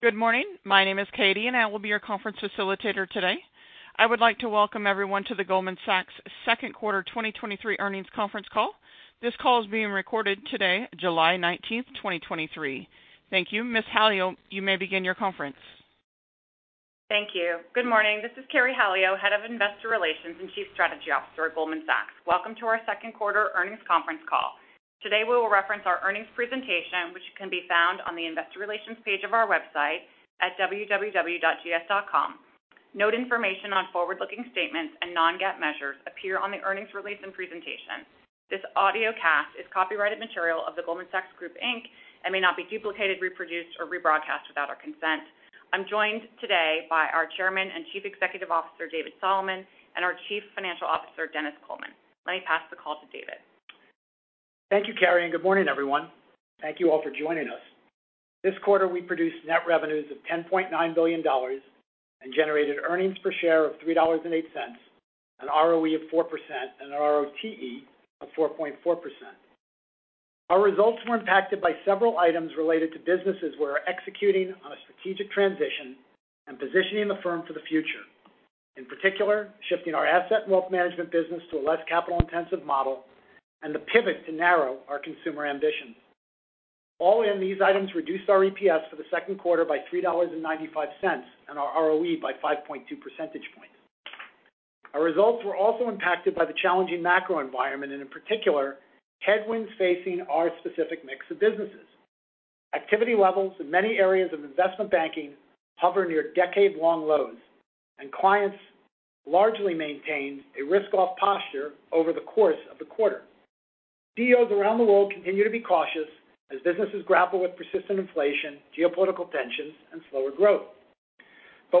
Good morning. My name is Katie, and I will be your conference facilitator today. I would like to welcome everyone to the Goldman Sachs Q2 2023 earnings conference call. This call is being recorded today, July 19th, 2023. Thank you. Ms. Halio, you may begin your conference. Thank you. Good morning. This is Carey Halio, Head of Investor Relations and Chief Strategy Officer at Goldman Sachs. Welcome to our Q2 earnings conference call. Today, we will reference our earnings presentation, which can be found on the investor relations page of our website at www.gs.com. Note information on forward-looking statements and non-GAAP measures appear on the earnings release and presentation. This audiocast is copyrighted material of The Goldman Sachs Group, Inc. May not be duplicated, reproduced, or rebroadcast without our consent. I'm joined today by our Chairman and Chief Executive Officer, David Solomon, and our Chief Financial Officer, Denis Coleman. Let me pass the call to David. Thank you, Carey, good morning, everyone. Thank you all for joining us. This quarter, we produced net revenues of $10.9 billion and generated earnings per share of $3.08, an ROE of 4% and an ROTE of 4.4%. Our results were impacted by several items related to businesses we're executing on a strategic transition and positioning the firm for the future. In particular, shifting our Asset & Wealth Management business to a less capital-intensive model and the pivot to narrow our consumer ambitions. All in these items reduced our EPS for the Q2 by $3.95 and our ROE by 5.2 percentage points. Our results were also impacted by the challenging macro environment, and in particular, headwinds facing our specific mix of businesses. Activity levels in many areas of investment banking hover near decade-long lows. Clients largely maintained a risk-off posture over the course of the quarter. CEOs around the world continue to be cautious as businesses grapple with persistent inflation, geopolitical tensions, and slower growth.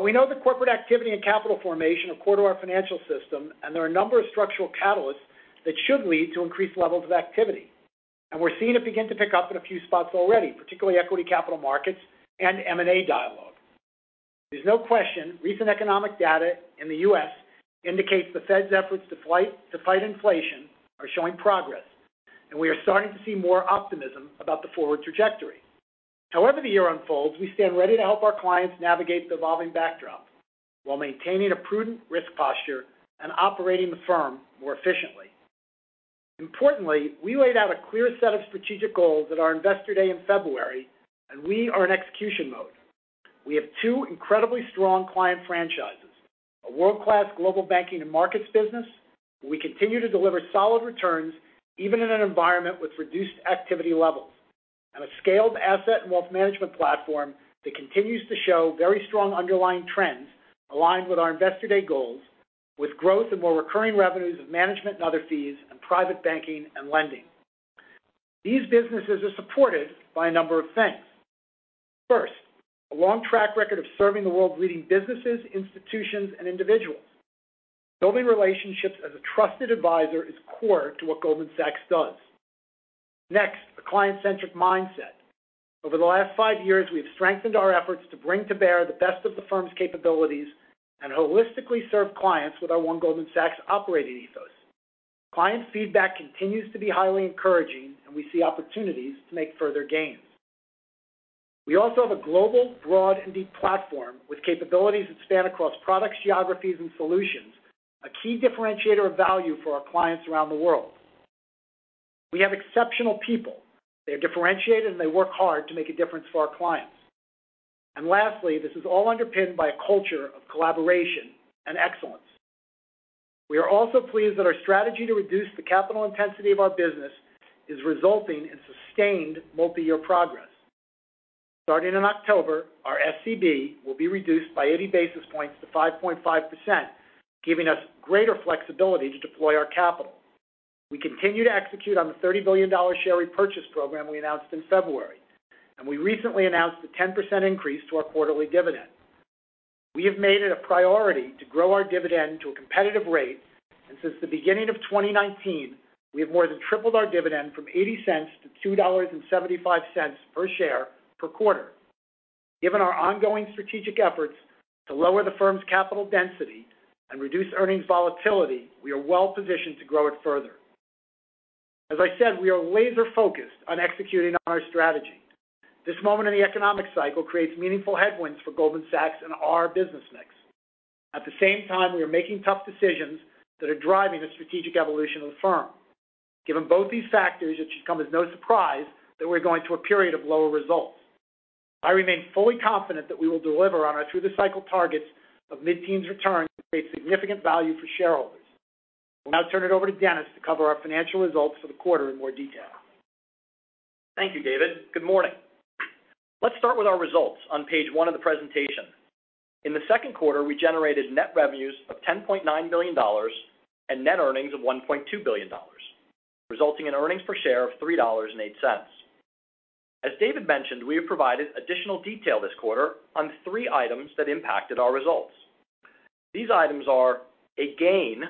We know that corporate activity and capital formation are core to our financial system, and there are a number of structural catalysts that should lead to increased levels of activity, and we're seeing it begin to pick up in a few spots already, particularly equity capital markets and M&A dialogue. There's no question recent economic data in the U.S. indicates the Fed's efforts to fight inflation are showing progress, and we are starting to see more optimism about the forward trajectory. The year unfolds, we stand ready to help our clients navigate the evolving backdrop while maintaining a prudent risk posture and operating the firm more efficiently. Importantly, we laid out a clear set of strategic goals at our Investor Day in February, we are in execution mode. We have two incredibly strong client franchises, a world-class Global Banking & Markets business, where we continue to deliver solid returns even in an environment with reduced activity levels, and a scaled asset and wealth management platform that continues to show very strong underlying trends aligned with our Investor Day goals, with growth and more recurring revenues of management and other fees, and private banking and lending. These businesses are supported by a number of things. First, a long track record of serving the world's leading businesses, institutions, and individuals. Building relationships as a trusted advisor is core to what Goldman Sachs does. Next, a client-centric mindset. Over the last five years, we've strengthened our efforts to bring to bear the best of the firm's capabilities and holistically serve clients with our One Goldman Sachs operating ethos. Client feedback continues to be highly encouraging, and we see opportunities to make further gains. We also have a global, broad, and deep platform with capabilities that span across products, geographies, and solutions, a key differentiator of value for our clients around the world. We have exceptional people. They are differentiated, and they work hard to make a difference for our clients. Lastly, this is all underpinned by a culture of collaboration and excellence. We are also pleased that our strategy to reduce the capital intensity of our business is resulting in sustained multi-year progress. Starting in October, our SCB will be reduced by 80 basis points to 5.5%, giving us greater flexibility to deploy our capital. We continue to execute on the $30 billion share repurchase program we announced in February, and we recently announced a 10% increase to our quarterly dividend. We have made it a priority to grow our dividend to a competitive rate, Since the beginning of 2019, we have more than tripled our dividend from $0.80 to $2.75 per share per quarter. Given our ongoing strategic efforts to lower the firm's capital density and reduce earnings volatility, we are well positioned to grow it further. As I said, we are laser-focused on executing on our strategy. This moment in the economic cycle creates meaningful headwinds for Goldman Sachs and our business mix. At the same time, we are making tough decisions that are driving the strategic evolution of the firm. Given both these factors, it should come as no surprise that we're going through a period of lower results. I remain fully confident that we will deliver on our through-the-cycle targets of mid-teens returns to create significant value for shareholders. I'll now turn it over to Denis to cover our financial results for the quarter in more detail. Thank you, David. Good morning. Let's start with our results on page one of the presentation. In the Q2, we generated net revenues of $10.9 billion and net earnings of $1.2 billion, resulting in earnings per share of $3.08. As David mentioned, we have provided additional detail this quarter on three items that impacted our results. These items are a gain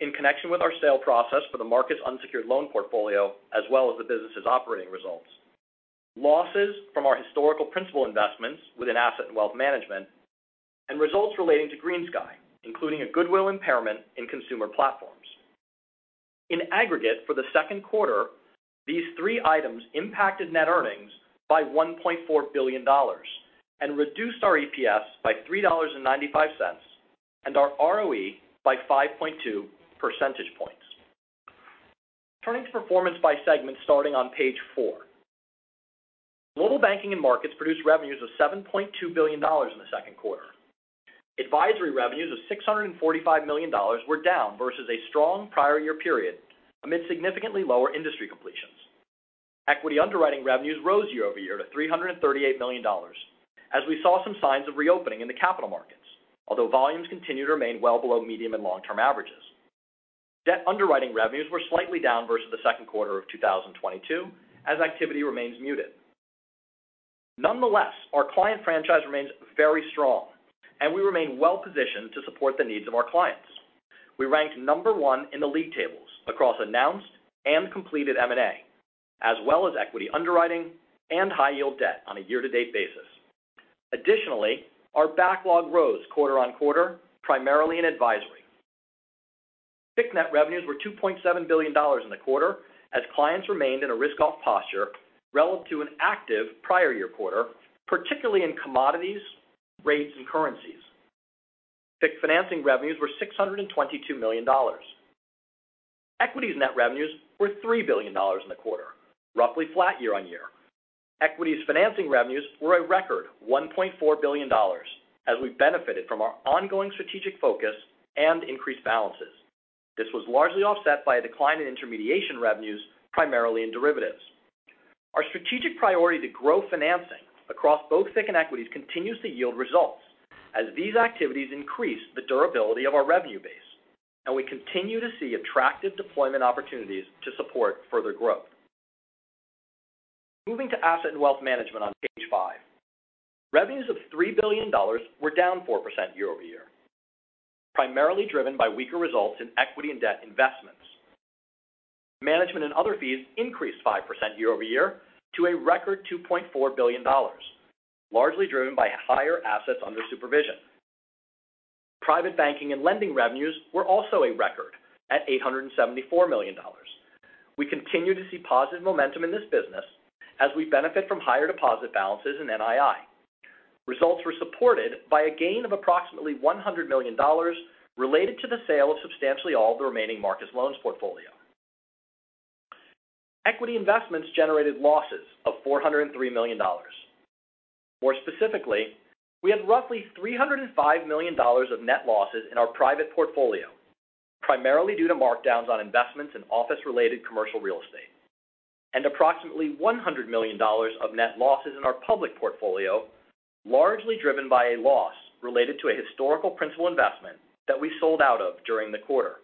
in connection with our sale process for the Marcus unsecured loan portfolio, as well as the business's operating results, losses from our historical principal investments within asset and wealth management, and results relating to GreenSky, including a goodwill impairment in consumer platforms. In aggregate, for the Q2, these three items impacted net earnings by $1.4 billion and reduced our EPS by $3.95, and our ROE by 5.2 percentage points. Turning to performance by segment, starting on page 4. Global Banking & Markets produced revenues of $7.2 billion in the Q2. Advisory revenues of $645 million were down versus a strong prior year period, amid significantly lower industry completions. Equity underwriting revenues rose year-over-year to $338 million as we saw some signs of reopening in the capital markets, although volumes continued to remain well below medium and long-term averages. Debt underwriting revenues were slightly down versus the Q2 of 2022, as activity remains muted. Nonetheless, our client franchise remains very strong, and we remain well positioned to support the needs of our clients. We ranked number 1 in the league tables across announced and completed M&A, as well as equity underwriting and high yield debt on a year-to-date basis. Additionally, our backlog rose quarter-on-quarter, primarily in advisory. FICC net revenues were $2.7 billion in the quarter, as clients remained in a risk-off posture relative to an active prior year quarter, particularly in commodities, rates, and currencies. FICC financing revenues were $622 million. Equities net revenues were $3 billion in the quarter, roughly flat year-on-year. Equities financing revenues were a record $1.4 billion, as we benefited from our ongoing strategic focus and increased balances. This was largely offset by a decline in intermediation revenues, primarily in derivatives. Our strategic priority to grow financing across both FICC and equities continues to yield results, as these activities increase the durability of our revenue base, and we continue to see attractive deployment opportunities to support further growth. Moving to asset and wealth management on page 5. Revenues of $3 billion were down 4% year-over-year, primarily driven by weaker results in equity and debt investments. Management and other fees increased 5% year-over-year to a record $2.4 billion, largely driven by higher assets under supervision. Private banking and lending revenues were also a record at $874 million. We continue to see positive momentum in this business as we benefit from higher deposit balances and NII. Results were supported by a gain of approximately $100 million related to the sale of substantially all of the remaining Marcus Loans portfolio. Equity investments generated losses of $403 million. More specifically, we had roughly $305 million of net losses in our private portfolio, primarily due to markdowns on investments in office-related commercial real estate, and approximately $100 million of net losses in our public portfolio, largely driven by a loss related to a historical principal investment that we sold out of during the quarter.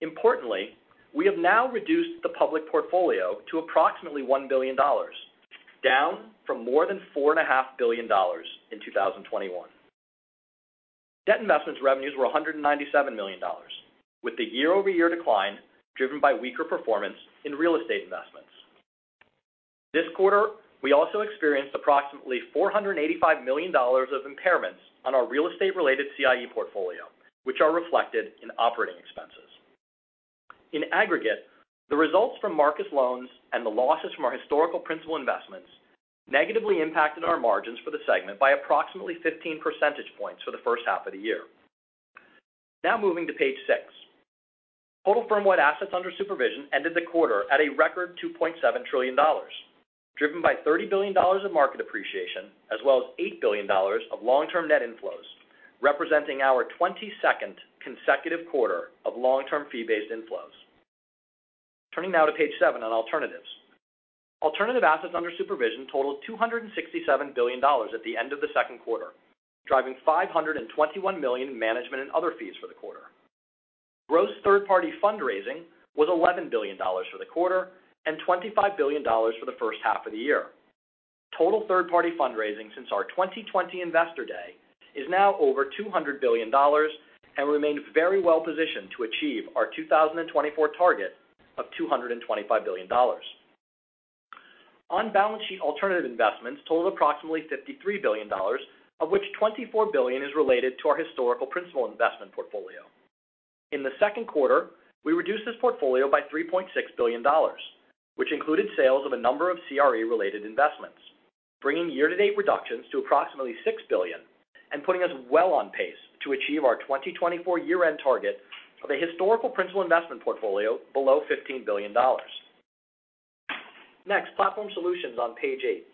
Importantly, we have now reduced the public portfolio to approximately $1 billion, down from more than $4.5 billion in 2021. Debt investments revenues were $197 million, with the year-over-year decline driven by weaker performance in real estate investments. This quarter, we also experienced approximately $485 million of impairments on our real estate-related CIE portfolio, which are reflected in operating expenses. In aggregate, the results from Marcus Loans and the losses from our historical principal investments negatively impacted our margins for the segment by approximately 15 percentage points for the first half of the year. Moving to page 6. Total firm-wide assets under supervision ended the quarter at a record $2.7 trillion, driven by $30 billion of market appreciation, as well as $8 billion of long-term net inflows, representing our 22nd consecutive quarter of long-term fee-based inflows. Turning now to page 7 on alternatives. Alternative assets under supervision totaled $267 billion at the end of the Q2, driving $521 million in management and other fees for the quarter. Gross third-party fundraising was $11 billion for the quarter and $25 billion for the first half of the year. Total third-party fundraising since our 2020 Investor Day is now over $200 billion and remains very well positioned to achieve our 2024 target of $225 billion. On balance sheet, alternative investments totaled approximately $53 billion, of which $24 billion is related to our historical principal investment portfolio. In the Q2, we reduced this portfolio by $3.6 billion, which included sales of a number of CRE related investments, bringing year-to-date reductions to approximately $6 billion and putting us well on pace to achieve our 2024 year-end target of a historical principal investment portfolio below $15 billion. Next, platform solutions on page 8.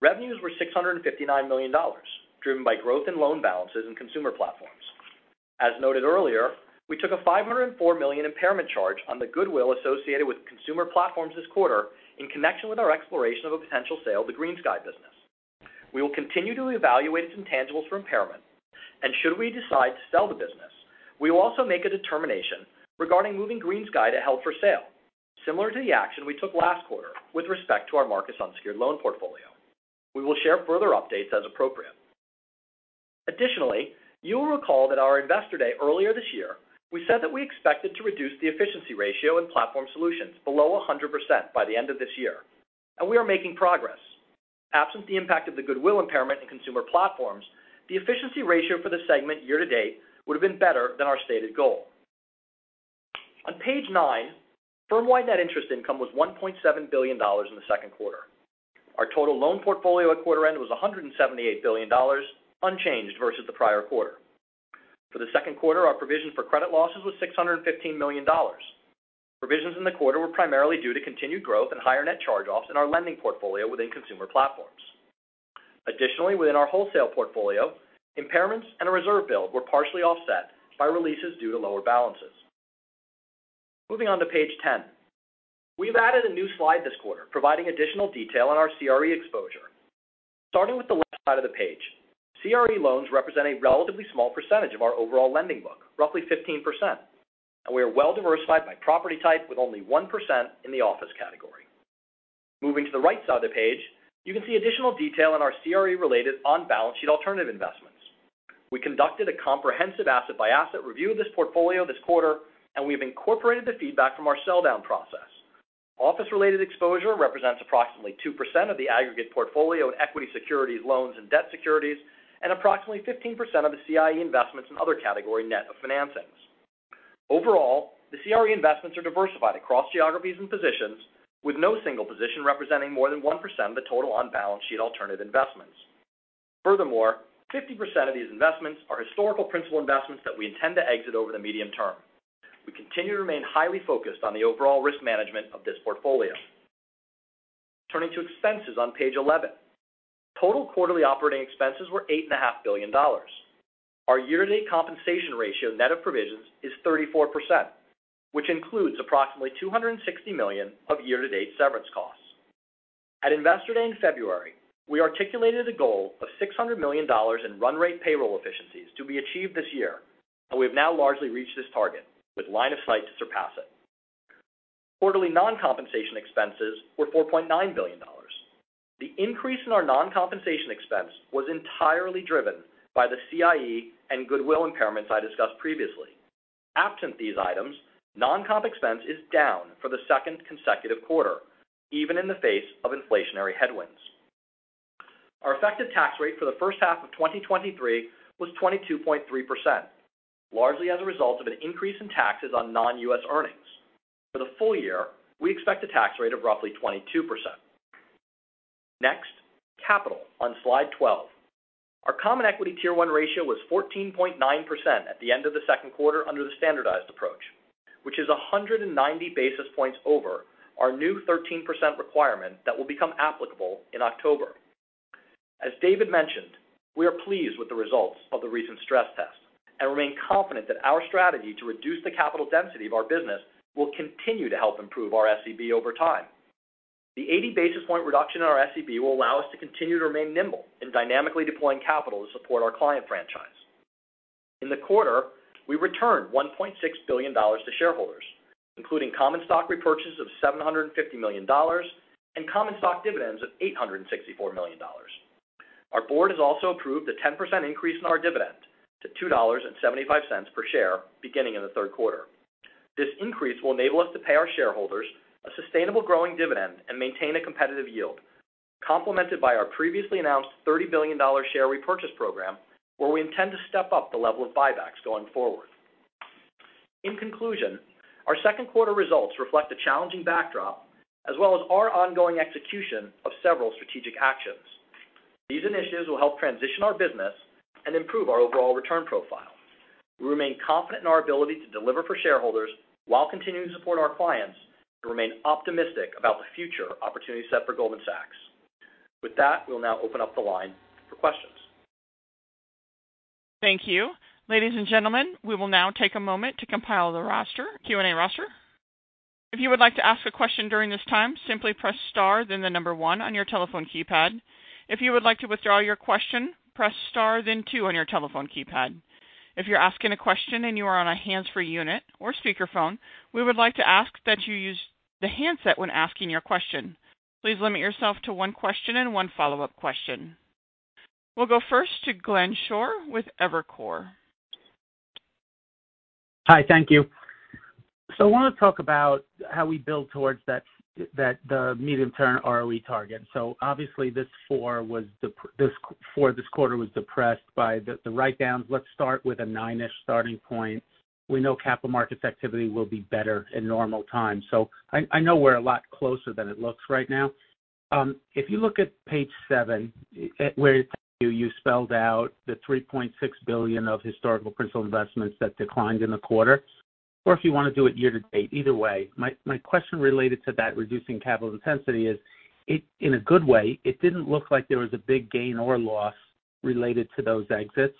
Revenues were $659 million, driven by growth in loan balances and consumer platforms. As noted earlier, we took a $504 million impairment charge on the goodwill associated with consumer platforms this quarter in connection with our exploration of a potential sale of the GreenSky business. We will continue to evaluate its intangibles for impairment, and should we decide to sell the business, we will also make a determination regarding moving GreenSky to held for sale, similar to the action we took last quarter with respect to our Marcus unsecured loan portfolio. We will share further updates as appropriate. Additionally, you will recall that our Investor Day earlier this year, we said that we expected to reduce the efficiency ratio and platform solutions below 100% by the end of this year, and we are making progress. absent the impact of the goodwill impairment in Consumer Platforms, the efficiency ratio for the segment year-to-date would have been better than our stated goal. On page 9, firm-wide net interest income was $1.7 billion in the Q2. Our total loan portfolio at quarter end was $178 billion, unchanged versus the prior quarter. For the Q2, our provision for credit losses was $615 million. Provisions in the quarter were primarily due to continued growth and higher net charge-offs in our lending portfolio within Consumer Platforms. Within our wholesale portfolio, impairments and a reserve build were partially offset by releases due to lower balances. Moving on to page 10. We've added a new slide this quarter, providing additional detail on our CRE exposure. Starting with the left side of the page, CRE loans represent a relatively small percentage of our overall lending book, roughly 15%, and we are well diversified by property type with only 1% in the office category. Moving to the right side of the page, you can see additional detail on our CRE-related on-balance sheet alternative investments. We conducted a comprehensive asset-by-asset review of this portfolio this quarter, and we've incorporated the feedback from our sell-down process. Office-related exposure represents approximately 2% of the aggregate portfolio in equity securities, loans, and debt securities, and approximately 15% of the CIE investments in other category net of financings. Overall, the CRE investments are diversified across geographies and positions, with no single position representing more than 1% of the total on-balance sheet alternative investments. 50% of these investments are historical principal investments that we intend to exit over the medium term. We continue to remain highly focused on the overall risk management of this portfolio. Turning to expenses on page 11. Total quarterly operating expenses were $8.5 billion. Our year-to-date compensation ratio, net of provisions, is 34%, which includes approximately $260 million of year-to-date severance costs. At Investor Day in February, we articulated a goal of $600 million in run rate payroll efficiencies to be achieved this year, we have now largely reached this target with line of sight to surpass it. Quarterly non-compensation expenses were $4.9 billion. The increase in our non-compensation expense was entirely driven by the CIE and goodwill impairments I discussed previously. Absent these items, non-comp expense is down for the second consecutive quarter, even in the face of inflationary headwinds. Our effective tax rate for the first half of 2023 was 22.3%, largely as a result of an increase in taxes on non-US earnings. For the full year, we expect a tax rate of roughly 22%. Next, capital on slide 12. Our Common Equity Tier 1 ratio was 14.9% at the end of the Q2 under the standardized approach, which is 190 basis points over our new 13% requirement that will become applicable in October. As David mentioned, we are pleased with the results of the recent stress test and remain confident that our strategy to reduce the capital density of our business will continue to help improve our SCB over time. The 80 basis point reduction in our SEB will allow us to continue to remain nimble in dynamically deploying capital to support our client franchise. In the quarter, we returned $1.6 billion to shareholders, including common stock repurchases of $750 million and common stock dividends of $864 million. Our board has also approved a 10% increase in our dividend to $2.75 per share beginning in the third quarter. This increase will enable us to pay our shareholders a sustainable growing dividend and maintain a competitive yield, complemented by our previously announced $30 billion share repurchase program, where we intend to step up the level of buybacks going forward. In conclusion, our Q2 results reflect a challenging backdrop, as well as our ongoing execution of several strategic actions. These initiatives will help transition our business and improve our overall return profile. We remain confident in our ability to deliver for shareholders while continuing to support our clients and remain optimistic about the future opportunity set for Goldman Sachs. We'll now open up the line for questions. Thank you. Ladies and gentlemen, we will now take a moment to compile the Q&A roster. If you would like to ask a question during this time, simply press star, then the number 1 on your telephone keypad. If you would like to withdraw your question, press star, then 2 on your telephone keypad. If you're asking a question and you are on a hands-free unit or speakerphone, we would like to ask that you use the handset when asking your question. Please limit yourself to one question and one follow-up question. We'll go first to Glenn Schorr with Evercore. Hi, thank you. I want to talk about how we build towards that medium-term ROE target. Obviously, this 4 this quarter was depressed by the write-downs. Let's start with a 9-ish starting point. We know capital markets activity will be better in normal times, I know we're a lot closer than it looks right now. If you look on page 7, where you spelled out the $3.6 billion of historical principal investments that declined in the quarter, or if you want to do it year to date, either way. My question related to that reducing capital intensity is, in a good way, it didn't look like there was a big gain or loss related to those exits.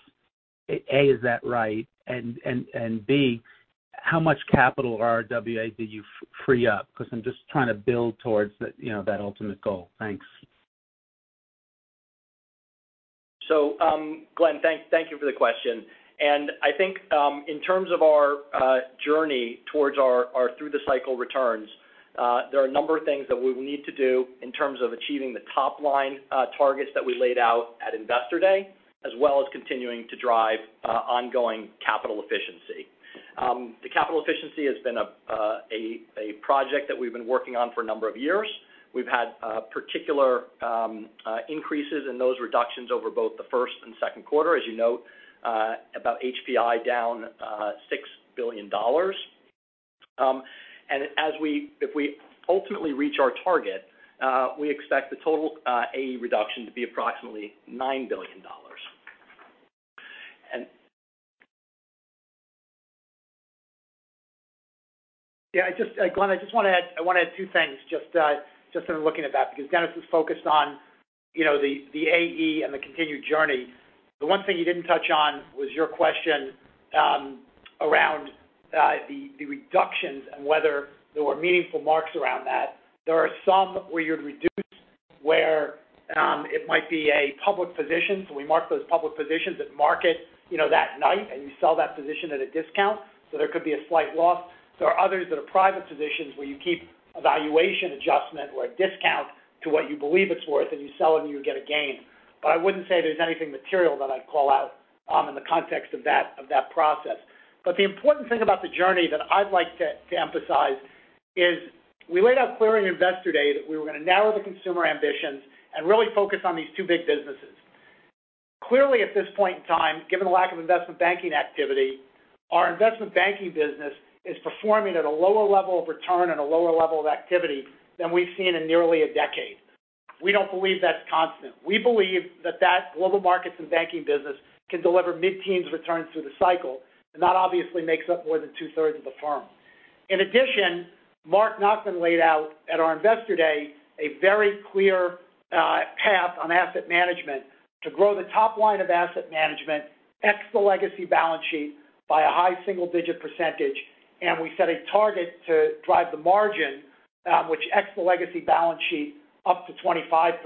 Is that right? B, how much capital RWA did you free up? Because I'm just trying to build towards the, you know, that ultimate goal. Thanks. Glenn, thank you for the question. I think, in terms of our journey towards our through-the-cycle returns, there are a number of things that we will need to do in terms of achieving the top-line targets that we laid out at Investor Day, as well as continuing to drive ongoing capital efficiency. The capital efficiency has been a project that we've been working on for a number of years. We've had particular increases in those reductions over both the first and Q2. As you note, about HPI down $6 billion. If we ultimately reach our target, we expect the total RWA reduction to be approximately $9 billion. Yeah, I just, Glenn, I just want to add two things just in looking at that, because Denis was focused on, you know, the RWA and the continued journey. The one thing you didn't touch on was your question around the reductions and whether there were meaningful marks around that. There are some where you'd reduce, where it might be a public position. We mark those public positions at market, you know, that night, and you sell that position at a discount, so there could be a slight loss. There are others that are private positions where you keep a valuation adjustment or a discount to what you believe it's worth, and you sell it, and you get a gain. I wouldn't say there's anything material that I'd call out in the context of that, of that process. The important thing about the journey that I'd like to emphasize is, we laid out clearly in Investor Day that we were going to narrow the consumer ambitions and really focus on these two big businesses. Clearly, at this point in time, given the lack of investment banking activity, our investment banking business is performing at a lower level of return and a lower level of activity than we've seen in nearly a decade. We don't believe that's constant. We believe that global markets and banking business can deliver mid-teens returns through the cycle, and that obviously makes up more than two-thirds of the firm. In addition, Marc Nachmann laid out at our Investor Day, a very clear path on asset management to grow the top line of asset management, ex the legacy balance sheet, by a high single-digit %, and we set a target to drive the margin, which ex the legacy balance sheet up to 25%.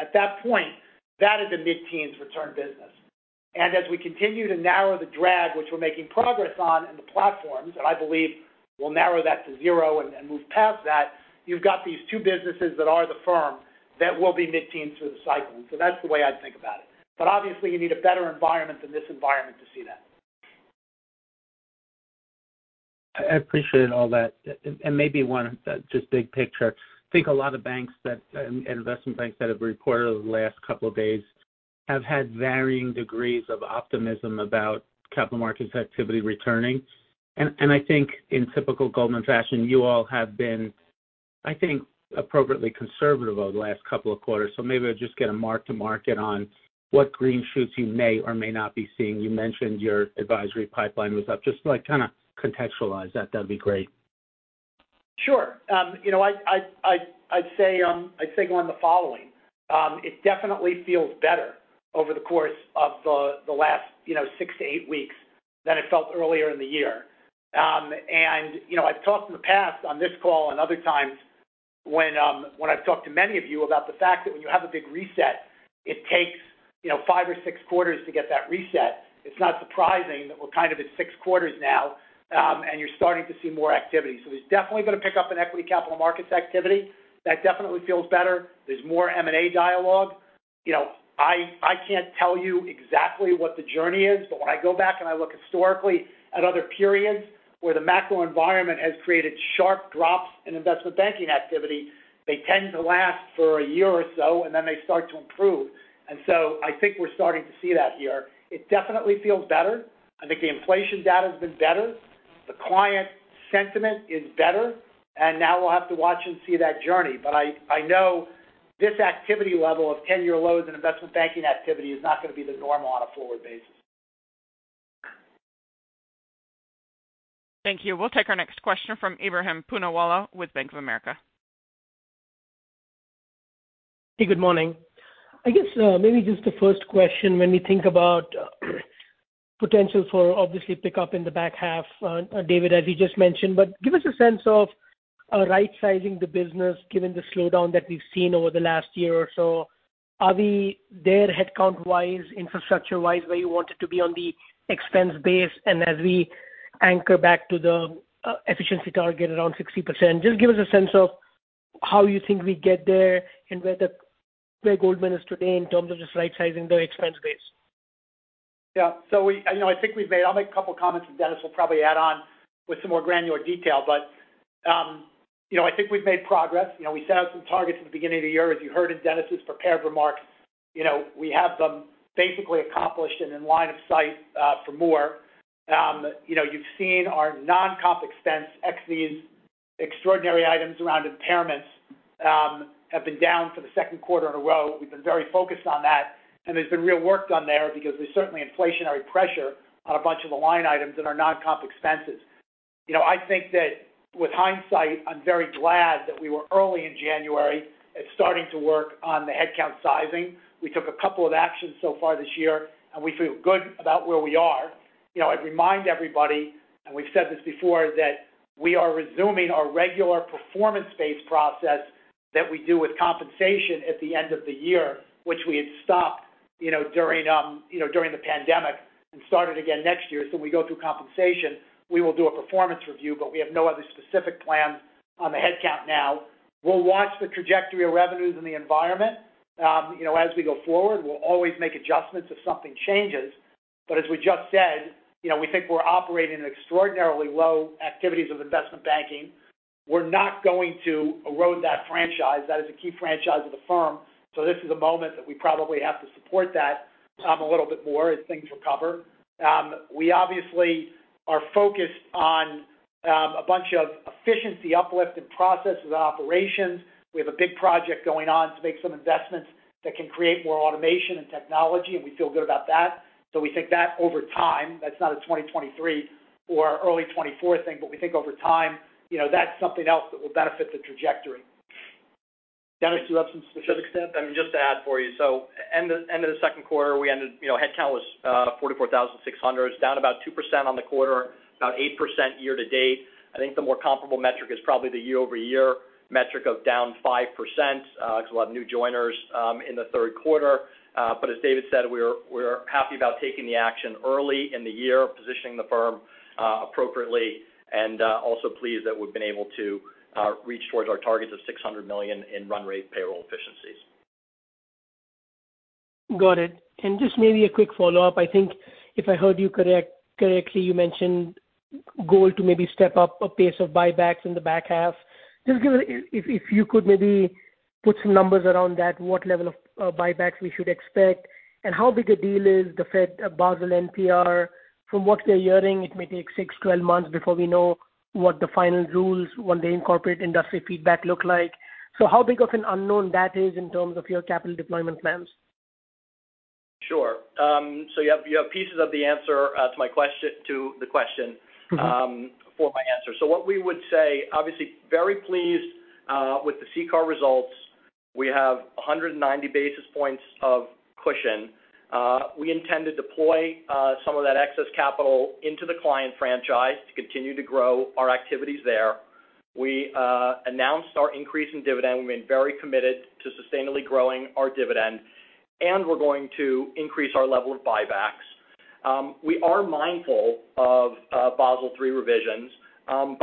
At that point, that is a mid-teens return business. As we continue to narrow the drag, which we're making progress on in the platforms, and I believe we'll narrow that to 0 and move past that, you've got these two businesses that are the firm that will be mid-teens through the cycle. That's the way I'd think about it. Obviously, you need a better environment than this environment to see that. I appreciate all that. Maybe one, just big picture. I think a lot of banks that, and investment banks that have reported over the last couple of days have had varying degrees of optimism about capital markets activity returning. I think in typical Goldman fashion, you all have been, I think, appropriately conservative over the last couple of quarters. Maybe I'll just get a mark to market on what green shoots you may or may not be seeing. You mentioned your advisory pipeline was up. Just like kind of contextualize that'd be great. Sure. You know, I'd say, Glenn, the following: It definitely feels better over the course of the last, you know, six to eight weeks than it felt earlier in the year. You know, I've talked in the past on this call and other times when I've talked to many of you about the fact that when you have a big reset, it takes, you know, five or six quarters to get that reset. It's not surprising that we're kind of at six quarters now, and you're starting to see more activity. There's definitely going to pick up in equity capital markets activity. That definitely feels better. There's more M&A dialogue. You know, I can't tell you exactly what the journey is, but when I go back and I look historically at other periods where the macro environment has created sharp drops in investment banking activity, they tend to last for a year or so, then they start to improve. It definitely feels better. I think the inflation data has been better. The client sentiment is better, now we'll have to watch and see that journey. I know this activity level of 10-year lows in investment banking activity is not going to be the norm on a forward basis. Thank you. We'll take our next question from Ebrahim Poonawala with Bank of America. Hey, good morning. I guess, maybe just the first question when we think about potential for obviously pick up in the back half, David, as you just mentioned, but give us a sense of right-sizing the business, given the slowdown that we've seen over the last year or so. Are we there headcount-wise, infrastructure-wise, where you want it to be on the expense base, and as we anchor back to the efficiency target around 60%? Just give us a sense of how you think we get there and where Goldman is today in terms of just right-sizing the expense base. Yeah. I know, I think I'll make a couple comments, and Denis will probably add on with some more granular detail. You know, I think we've made progress. You know, we set out some targets at the beginning of the year. As you heard in Denis's prepared remarks, you know, we have them basically accomplished and in line of sight for more. You know, you've seen our non-comp expense, ex these extraordinary items around impairments, have been down for the Q2 in a row. We've been very focused on that, and there's been real work done there because there's certainly inflationary pressure on a bunch of the line items in our non-comp expenses. You know, I think that with hindsight, I'm very glad that we were early in January at starting to work on the headcount sizing. We took a couple of actions so far this year, and we feel good about where we are. You know, I'd remind everybody, and we've said this before, that we are resuming our regular performance-based process that we do with compensation at the end of the year, which we had stopped, you know, during, you know, during the pandemic and started again next year. We go through compensation, we will do a performance review. We have no other specific plans on the headcount now. We'll watch the trajectory of revenues in the environment. You know, as we go forward, we'll always make adjustments if something changes. As we just said, you know, we think we're operating in extraordinarily low activities of investment banking. We're not going to erode that franchise. That is a key franchise of the firm. This is a moment that we probably have to support that, a little bit more as things recover. We obviously are focused on, a bunch of efficiency uplift in processes and operations. We have a big project going on to make some investments that can create more automation and technology, and we feel good about that. We think that over time, that's not a 2023 or early 2024 thing, but we think over time, you know, that's something else that will benefit the trajectory. Denis, do you have some specific steps? I mean, just to add for you. End of the Q2, you know, headcount was 44,600. It's down about 2% on the quarter, about 8% year to date. I think the more comparable metric is probably the year-over-year metric of down 5%, because we'll have new joiners in the Q3. As David said, we're happy about taking the action early in the year, positioning the firm appropriately, and also pleased that we've been able to reach towards our targets of $600 million in run rate payroll efficiencies. Got it. Just maybe a quick follow-up. I think if I heard you correctly, you mentioned goal to maybe step up a pace of buybacks in the back half. If you could maybe put some numbers around that, what level of buybacks we should expect, and how big a deal is the Fed Basel NPR? From what we're hearing, it may take 6-12 months before we know what the final rules, when they incorporate industry feedback, look like. How big of an unknown that is in terms of your capital deployment plans? Sure. You have pieces of the answer, to the question. Mm-hmm... for my answer. What we would say, obviously, very pleased with the CCAR results. We have 190 basis points of cushion. We intend to deploy some of that excess capital into the client franchise to continue to grow our activities there. We announced our increase in dividend. We've been very committed to sustainably growing our dividend, and we're going to increase our level of buybacks. We are mindful of Basel III revisions,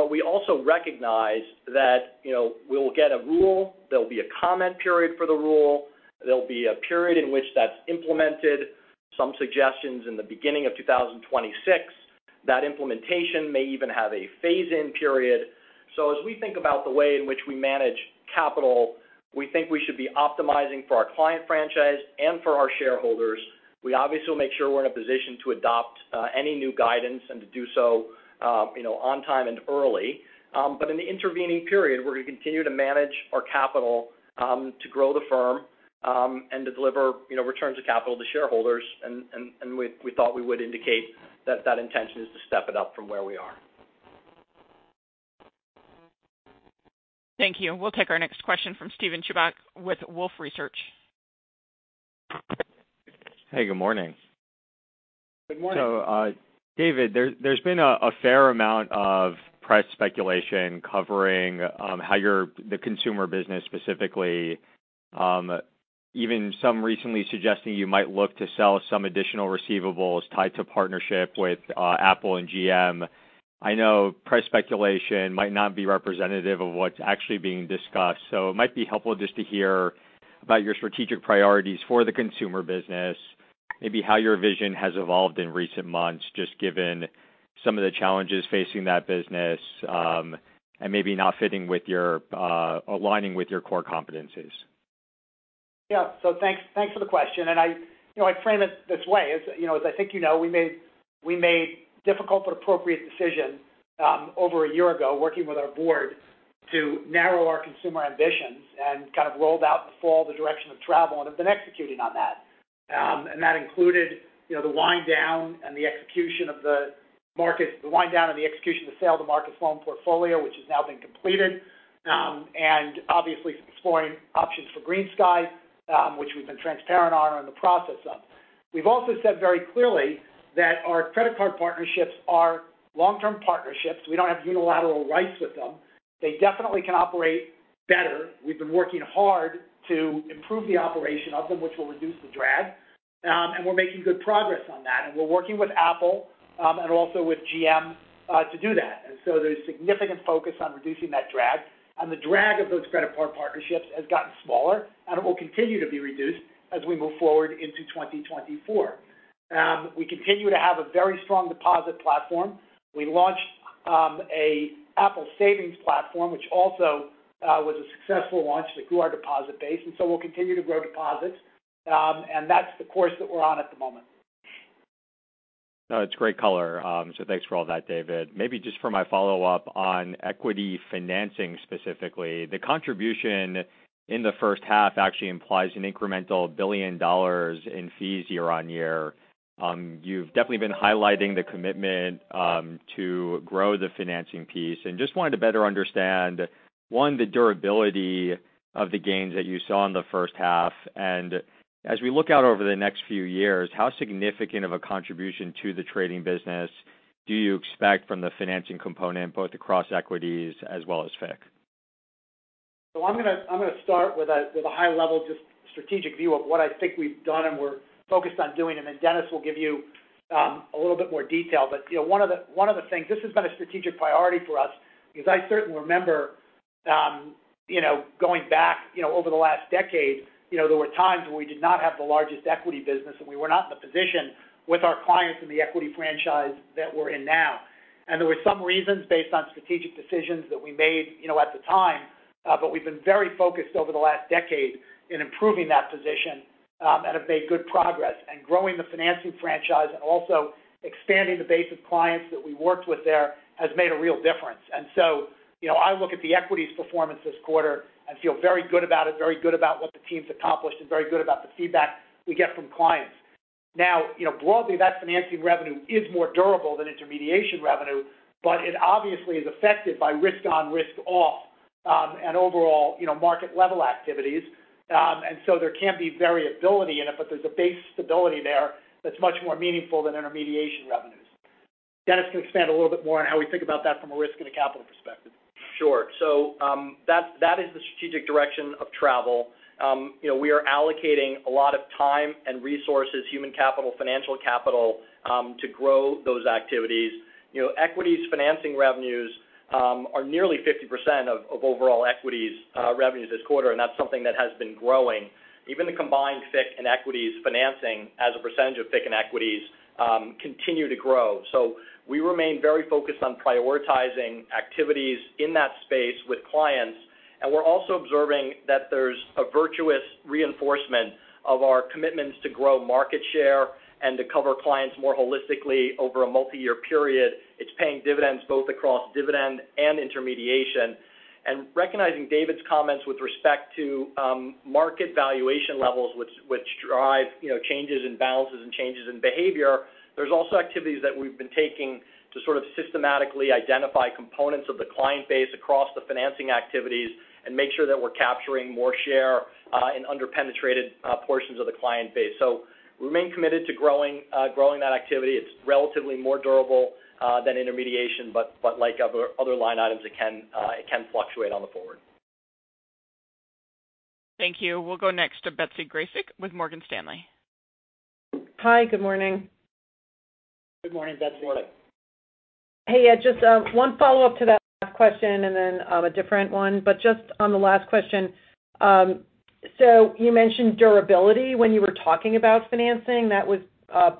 we also recognize that, you know, we'll get a rule, there'll be a comment period for the rule, there'll be a period in which that's implemented, some suggestions in the beginning of 2026. That implementation may even have a phase-in period. As we think about the way in which we manage capital, we think we should be optimizing for our client franchise and for our shareholders. We obviously will make sure we're in a position to adopt any new guidance and to do so, you know, on time and early. In the intervening period, we're going to continue to manage our capital to grow the firm and to deliver, you know, returns of capital to shareholders, and we thought we would indicate that that intention is to step it up from where we are. Thank you. We'll take our next question from Steven Chubak with Wolfe Research. Hey, good morning. Good morning. David, there's been a fair amount of price speculation covering how the consumer business specifically, even some recently suggesting you might look to sell some additional receivables tied to partnership with Apple and GM. I know price speculation might not be representative of what's actually being discussed, so it might be helpful just to hear about your strategic priorities for the consumer business, maybe how your vision has evolved in recent months, just given some of the challenges facing that business, and maybe not fitting with your aligning with your core competencies. Yeah. Thanks for the question, and I, you know, I'd frame it this way. As, you know, as I think you know, we made difficult but appropriate decision, over a year ago, working with our board, to narrow our consumer ambitions and kind of rolled out in the fall, the direction of travel, and have been executing on that. And that included, you know, the wind down and the execution of the sale of the Marcus Loans portfolio, which has now been completed, and obviously exploring options for GreenSky, which we've been transparent on and in the process of. We've also said very clearly that our credit card partnerships are long-term partnerships. We don't have unilateral rights with them. They definitely can operate better. We've been working hard to improve the operation of them, which will reduce the drag, and we're making good progress on that, and we're working with Apple, and also with GM to do that. There's significant focus on reducing that drag. The drag of those credit card partnerships has gotten smaller, and it will continue to be reduced as we move forward into 2024. We continue to have a very strong deposit platform. We launched a Apple Savings platform, which also was a successful launch that grew our deposit base, we'll continue to grow deposits. That's the course that we're on at the moment. No, it's great color. Thanks for all that, David. Maybe just for my follow-up on equity financing specifically, the contribution in the first half actually implies an incremental $1 billion in fees year-on-year. You've definitely been highlighting the commitment to grow the financing piece, and just wanted to better understand, one, the durability of the gains that you saw in the first half. As we look out over the next few years, how significant of a contribution to the trading business do you expect from the financing component, both across equities as well as FICC? I'm gonna start with a, with a high-level, just strategic view of what I think we've done and we're focused on doing, and then Denis will give you a little bit more detail. You know, one of the things, this has been a strategic priority for us because I certainly remember, you know, going back, you know, over the last decade, you know, there were times where we did not have the largest equity business, and we were not in the position with our clients in the equity franchise that we're in now. There were some reasons based on strategic decisions that we made, you know, at the time. We've been very focused over the last decade in improving that position and have made good progress. Growing the financing franchise and also expanding the base of clients that we worked with there has made a real difference. You know, I look at the equities performance this quarter and feel very good about it, very good about what the team's accomplished, and very good about the feedback we get from clients. Now, you know, broadly, that financing revenue is more durable than intermediation revenue, but it obviously is affected by risk on, risk off, and overall, you know, market level activities. There can be variability in it, but there's a base stability there that's much more meaningful than intermediation revenues. Denis can expand a little bit more on how we think about that from a risk and a capital perspective. Sure. That, that is the strategic direction of travel. You know, we are allocating a lot of time and resources, human capital, financial capital, to grow those activities. You know equities financing revenues are nearly 50% of overall equities revenues this quarter, and that's something that has been growing. Even the combined FICC and equities financing as a percentage of FICC and equities continue to grow. We remain very focused on prioritizing activities in that space with clients, and we're also observing that there's a virtuous reinforcement of our commitments to grow market share and to cover clients more holistically over a multiyear period. It's paying dividends, both across dividend and intermediation. Recognizing David's comments with respect to market valuation levels, which drive, you know, changes in balances and changes in behavior, there's also activities that we've been taking to sort of systematically identify components of the client base across the financing activities and make sure that we're capturing more share in underpenetrated portions of the client base. We remain committed to growing that activity. It's relatively more durable than intermediation, but like other line items, it can fluctuate on the forward. Thank you. We'll go next to Betsy Graseck with Morgan Stanley. Hi, good morning. Good morning, Betsy. Good morning. Hey, yeah, just one follow-up to that last question and then a different one. Just on the last question, you mentioned durability when you were talking about financing. That was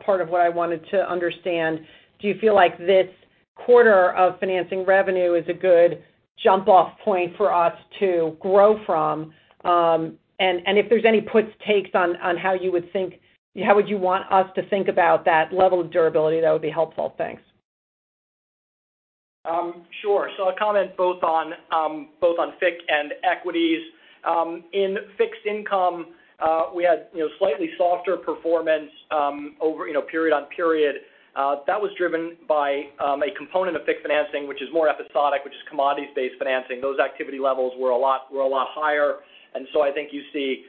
part of what I wanted to understand. Do you feel like this quarter of financing revenue is a good jump-off point for us to grow from? If there's any puts, takes on how would you want us to think about that level of durability, that would be helpful. Thanks. Sure. I'll comment both on FICC and equities. In fixed income, we had, you know, slightly softer performance, over, you know, period on period. That was driven by a component of FICC financing, which is more episodic, which is commodities-based financing. Those activity levels were a lot higher, and so I think you see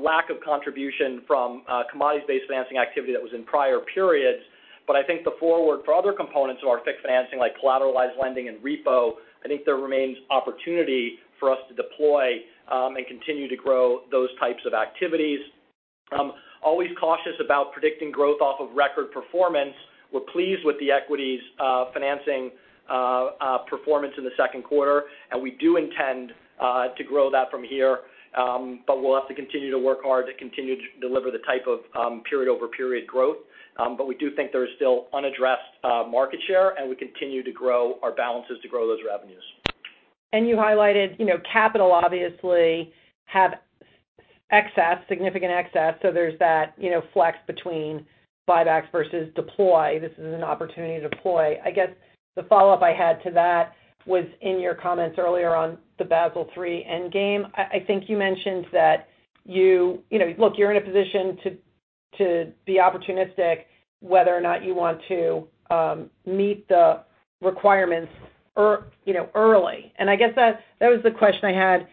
lack of contribution from commodities-based financing activity that was in prior periods. I think the forward for other components of our FICC financing, like collateralized lending and repo, I think there remains opportunity for us to deploy and continue to grow those types of activities. Always cautious about predicting growth off of record performance. We're pleased with the equities financing performance in the Q2, and we do intend to grow that from here. We'll have to continue to work hard to continue to deliver the type of, period-over-period growth. We do think there is still unaddressed, market share, and we continue to grow our balances to grow those revenues. You highlighted, you know, capital obviously had excess, significant excess, so there's that, you know, flex between buybacks versus deploy. This is an opportunity to deploy. I guess the follow-up I had to that was, in your comments earlier on the Basel III Endgame, I think you mentioned that you You know, look, you're in a position to be opportunistic, whether or not you want to meet the requirements early. I guess that was the question I had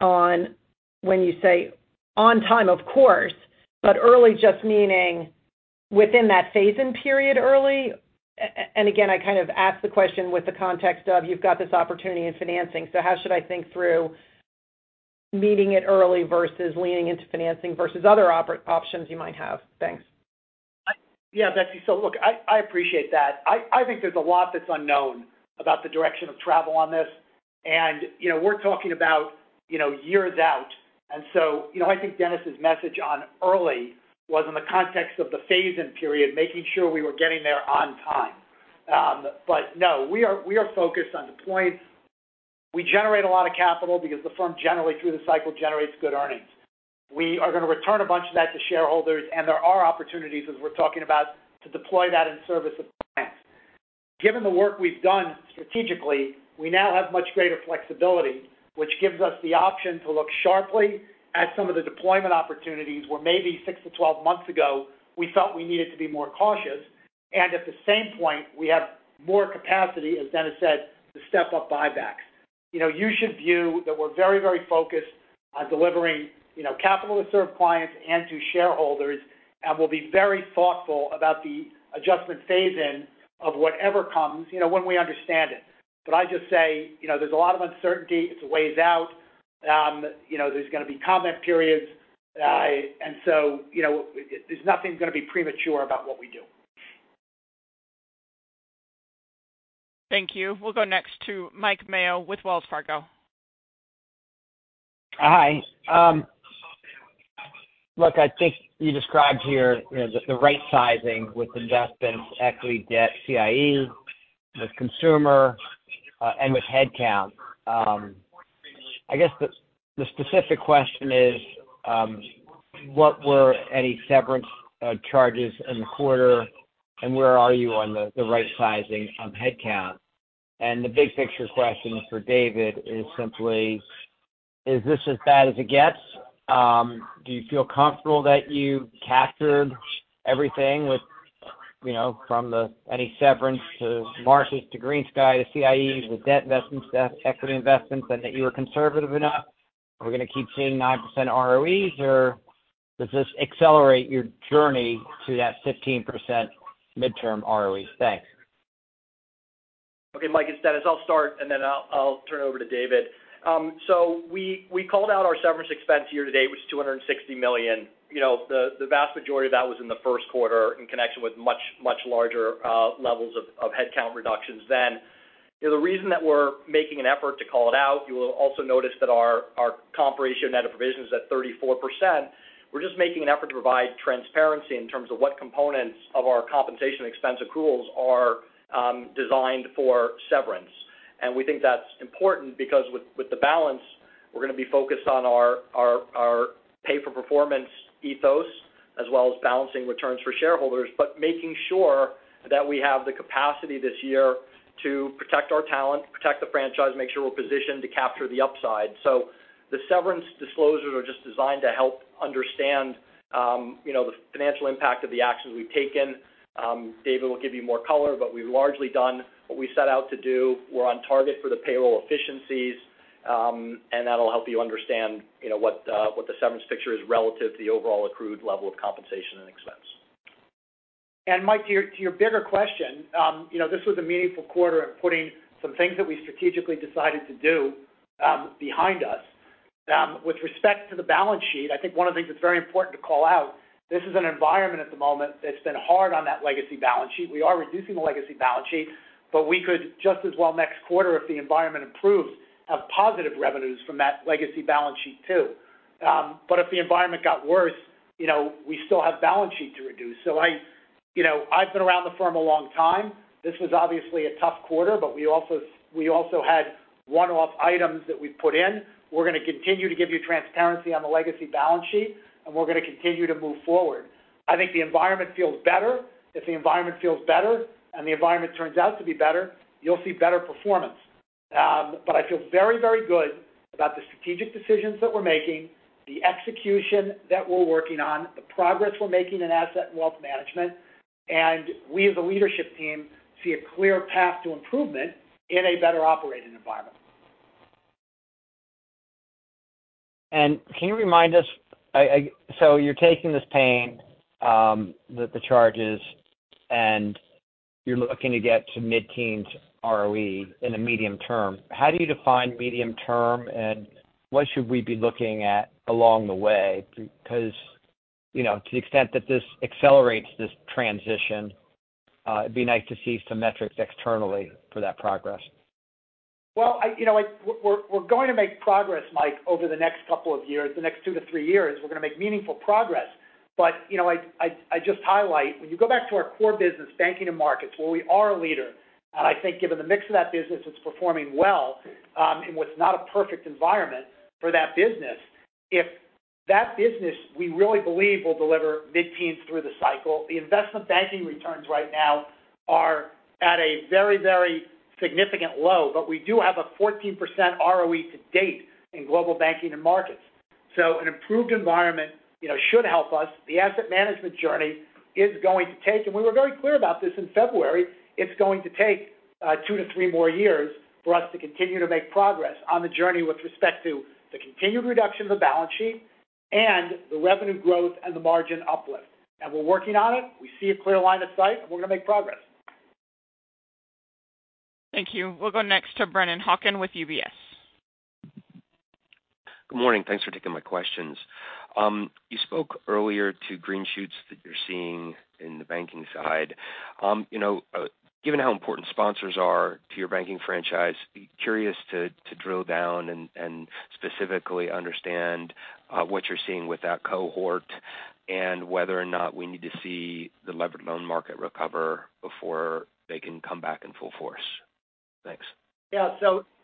on when you say on time, of course, but early just meaning within that phase-in period early. Again, I kind of asked the question with the context of, you've got this opportunity in financing, so how should I think through meeting it early versus leaning into financing versus other options you might have? Thanks. Yeah, Betsy, so look, I appreciate that. I think there's a lot that's unknown about the direction of travel on this. You know, we're talking about, you know, years out. You know, I think Denis's message on early was in the context of the phase-in period, making sure we were getting there on time. No, we are focused on deployments. We generate a lot of capital because the firm generally, through the cycle, generates good earnings. We are gonna return a bunch of that to shareholders, and there are opportunities, as we're talking about, to deploy that in service of clients. Given the work we've done strategically, we now have much greater flexibility, which gives us the option to look sharply at some of the deployment opportunities, where maybe 6-12 months ago, we felt we needed to be more cautious. At the same point, we have more capacity, as Denis said, to step up buybacks. You know, you should view that we're very, very focused on delivering, you know, capital to serve clients and to shareholders, and we'll be very thoughtful about the adjustment phase-in of whatever comes, you know, when we understand it. I just say, you know, there's a lot of uncertainty. It's a ways out. You know, there's gonna be comment periods, you know, there's nothing gonna be premature about what we do. Thank you. We'll go next to Mike Mayo with Wells Fargo. Hi. Look, I think you described here, you know, the right sizing with investments, equity, debt, CIE, with consumer, and with headcount. I guess the specific question is, what were any severance charges in the quarter, and where are you on the right sizing on headcount? The big-picture question for David is simply, is this as bad as it gets? Do you feel comfortable that you captured everything with, you know, from the any severance to markets, to GreenSky, to CIE, with debt investments, to equity investments, and that you were conservative enough? We're gonna keep seeing 9% ROEs, or does this accelerate your journey to that 15% midterm ROE? Thanks. Okay, Mike, instead, I'll start, and then I'll turn it over to David. We called out our severance expense year-to-date, which is $260 million. You know, the vast majority of that was in the Q1 in connection with much larger levels of headcount reductions then. You know, the reason that we're making an effort to call it out, you will also notice that our compensation net of provisions is at 34%. We're just making an effort to provide transparency in terms of what components of our compensation expense accruals are designed for severance. We think that's important because with the balance, we're gonna be focused on our pay-for-performance ethos, as well as balancing returns for shareholders, making sure that we have the capacity this year to protect our talent, protect the franchise, make sure we're positioned to capture the upside. The severance disclosures are just designed to help understand, you know, the financial impact of the actions we've taken. David will give you more color, but we've largely done what we set out to do. We're on target for the payroll efficiencies, and that'll help you understand, you know, what the severance picture is relative to the overall accrued level of compensation and expense. Mike, to your bigger question, you know, this was a meaningful quarter in putting some things that we strategically decided to do behind us. With respect to the balance sheet, I think one of the things that's very important to call out, this is an environment at the moment that's been hard on that legacy balance sheet. We are reducing the legacy balance sheet, but we could just as well, next quarter, if the environment improves, have positive revenues from that legacy balance sheet, too. If the environment got worse, you know, we still have balance sheet to reduce. You know, I've been around the firm a long time. This was obviously a tough quarter, we also had one-off items that we put in. We're gonna continue to give you transparency on the legacy balance sheet, and we're gonna continue to move forward. I think the environment feels better. If the environment feels better, and the environment turns out to be better, you'll see better performance. I feel very, very good about the strategic decisions that we're making, the execution that we're working on, the progress we're making in Asset & Wealth Management, and we, as a leadership team, see a clear path to improvement in a better operating environment. Can you remind us, I so you're taking this pain, the charges, and you're looking to get to mid-teens ROE in the medium term? How do you define medium term, and what should we be looking at along the way? You know, to the extent that this accelerates this transition, it'd be nice to see some metrics externally for that progress. I, you know, I, we're going to make progress, Mike, over the next 2 years. The next 2-3 years, we're going to make meaningful progress. You know, I just highlight, when you go back to our core business, banking and markets, where we are a leader, and I think given the mix of that business, it's performing well, in what's not a perfect environment for that business. If that business, we really believe will deliver mid-teens% through the cycle. The investment banking returns right now are at a very significant low, but we do have a 14% ROE to date in Global Banking & Markets. An improved environment, you know, should help us. The asset management journey is going to take, and we were very clear about this in February, it's going to take, two to three more years for us to continue to make progress on the journey with respect to the continued reduction of the balance sheet and the revenue growth and the margin uplift. We're working on it. We see a clear line of sight, we're gonna make progress. Thank you. We'll go next to Brennan Hawken with UBS. Good morning. Thanks for taking my questions. You spoke earlier to green shoots that you're seeing in the banking side. Given how important sponsors are to your banking franchise, curious to drill down and specifically understand what you're seeing with that cohort and whether or not we need to see the levered loan market recover before they can come back in full force. Thanks. Yeah.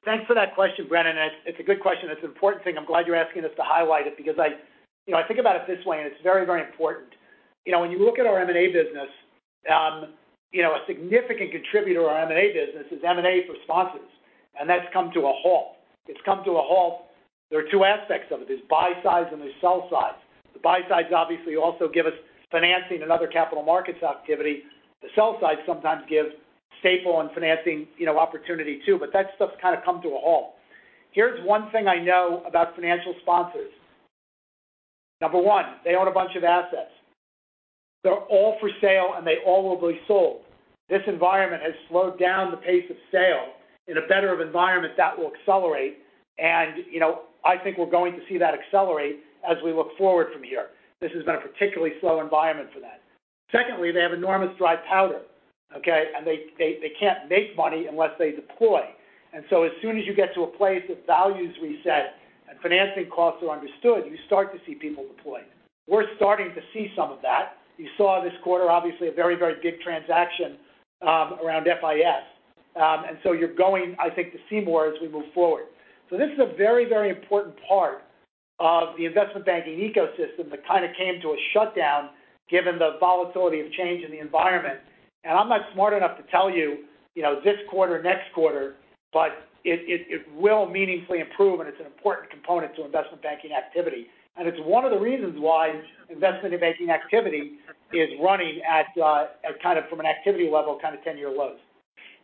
Thanks for that question, Brennan. It's a good question. It's an important thing. I'm glad you're asking us to highlight it because you know, I think about it this way, and it's very, very important. You know, when you look at our M&A business, you know, a significant contributor to our M&A business is M&A for sponsors, and that's come to a halt. It's come to a halt. There are two aspects of it. There's buy side, and there's sell side. The buy side is obviously also give us financing and other capital markets activity. The sell side sometimes gives staple and financing, you know, opportunity, too, but that stuff's kind of come to a halt. Here's 1 thing I know about financial sponsors. Number 1, they own a bunch of assets. They're all for sale, and they all will be sold. This environment has slowed down the pace of sale. In a better environment, that will accelerate. You know, I think we're going to see that accelerate as we look forward from here. This has been a particularly slow environment for that. Secondly, they have enormous dry powder, okay? They can't make money unless they deploy. As soon as you get to a place that values reset and financing costs are understood, you start to see people deploy. We're starting to see some of that. You saw this quarter, obviously, a very big transaction around FIS. You're going, I think, to see more as we move forward. This is a very important part of the investment banking ecosystem that kind of came to a shutdown, given the volatility of change in the environment. I'm not smart enough to tell you know, this quarter, next quarter, but it will meaningfully improve, and it's an important component to investment banking activity. It's one of the reasons why investment banking activity is running at kind of from an activity level, kind of 10-year lows.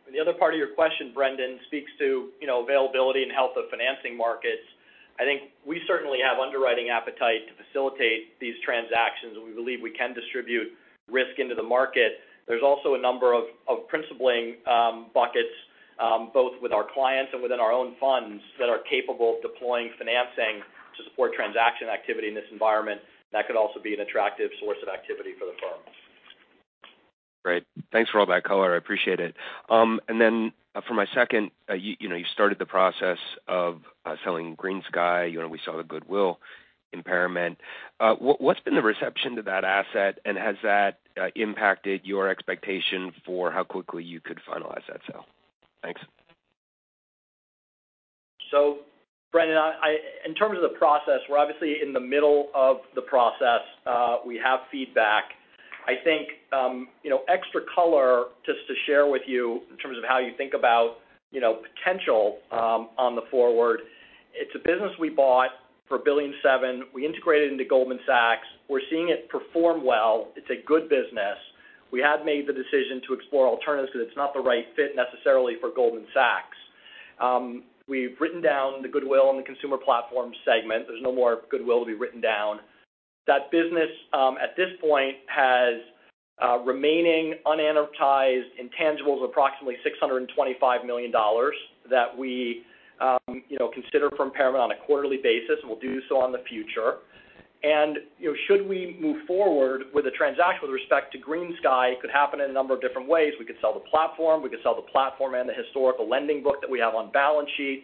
The other part of your question, Brennan, speaks to, you know, availability and health of financing markets. I think we certainly have underwriting appetite to facilitate these transactions, and we believe we can distribute risk into the market. There's also a number of principal buckets, both with our clients and within our own funds, that are capable of deploying financing to support transaction activity in this environment, and that could also be an attractive source of activity for the firm. Great. Thanks for all that color. I appreciate it. Then for my second, you know, you started the process of selling GreenSky. You know, we saw the goodwill impairment. What's been the reception to that asset, and has that impacted your expectation for how quickly you could finalize that sale? Thanks. Brennan, in terms of the process, we're obviously in the middle of the process. We have feedback. I think, you know, extra color, just to share with you in terms of how you think about, you know, potential on the forward. It's a business we bought for $1.7 billion. We integrated into Goldman Sachs. We're seeing it perform well. It's a good business. We have made the decision to explore alternatives because it's not the right fit necessarily for Goldman Sachs. We've written down the goodwill on the consumer platform segment. There's no more goodwill to be written down. That business, at this point, has remaining unamortized intangibles of approximately $625 million that we, you know, consider for impairment on a quarterly basis, and we'll do so in the future. You know, should we move forward with a transaction with respect to GreenSky, it could happen in a number of different ways. We could sell the platform, we could sell the platform and the historical lending book that we have on balance sheet.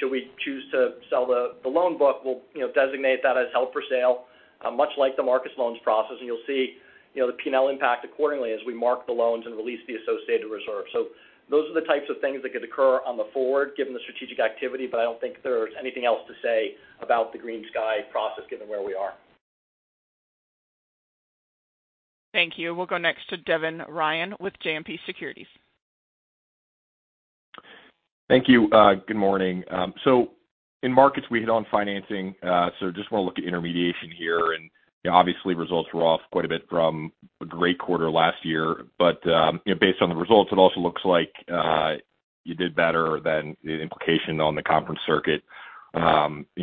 Should we choose to sell the loan book, we'll, you know, designate that as held for sale, much like the Marcus Loans process. You'll see, you know, the P&L impact accordingly as we mark the loans and release the associated reserve. Those are the types of things that could occur on the forward, given the strategic activity, but I don't think there's anything else to say about the GreenSky process, given where we are. Thank you. We'll go next to Devin Ryan with JMP Securities. Thank you. Good morning. In markets, we hit on financing. Just want to look at intermediation here. Obviously, results were off quite a bit from a great quarter last year. You know, based on the results, it also looks like you did better than the implication on the conference circuit, you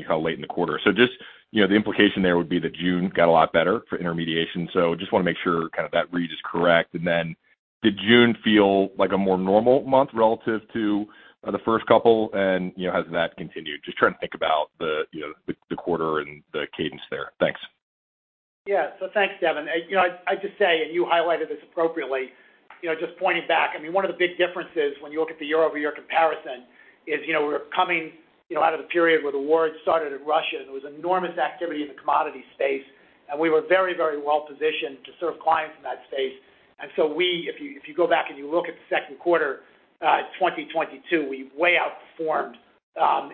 know, late in the quarter. Just, you know, the implication there would be that June got a lot better for intermediation. Just want to make sure kind of that read is correct. Then did June feel like a more normal month relative to the first couple? You know, has that continued? Just trying to think about the, you know, the quarter and the cadence there. Thanks. Yeah. Thanks, Devin. you know, I'd just say, and you highlighted this appropriately, you know, just pointing back. I mean, one of the big differences when you look at the year-over-year comparison is, you know, we're coming, you know, out of a period where the war had started in Russia, and there was enormous activity in the commodity space, and we were very, very well positioned to serve clients in that space. We, if you, if you go back and you look at the Q2, 2022, we way outperformed,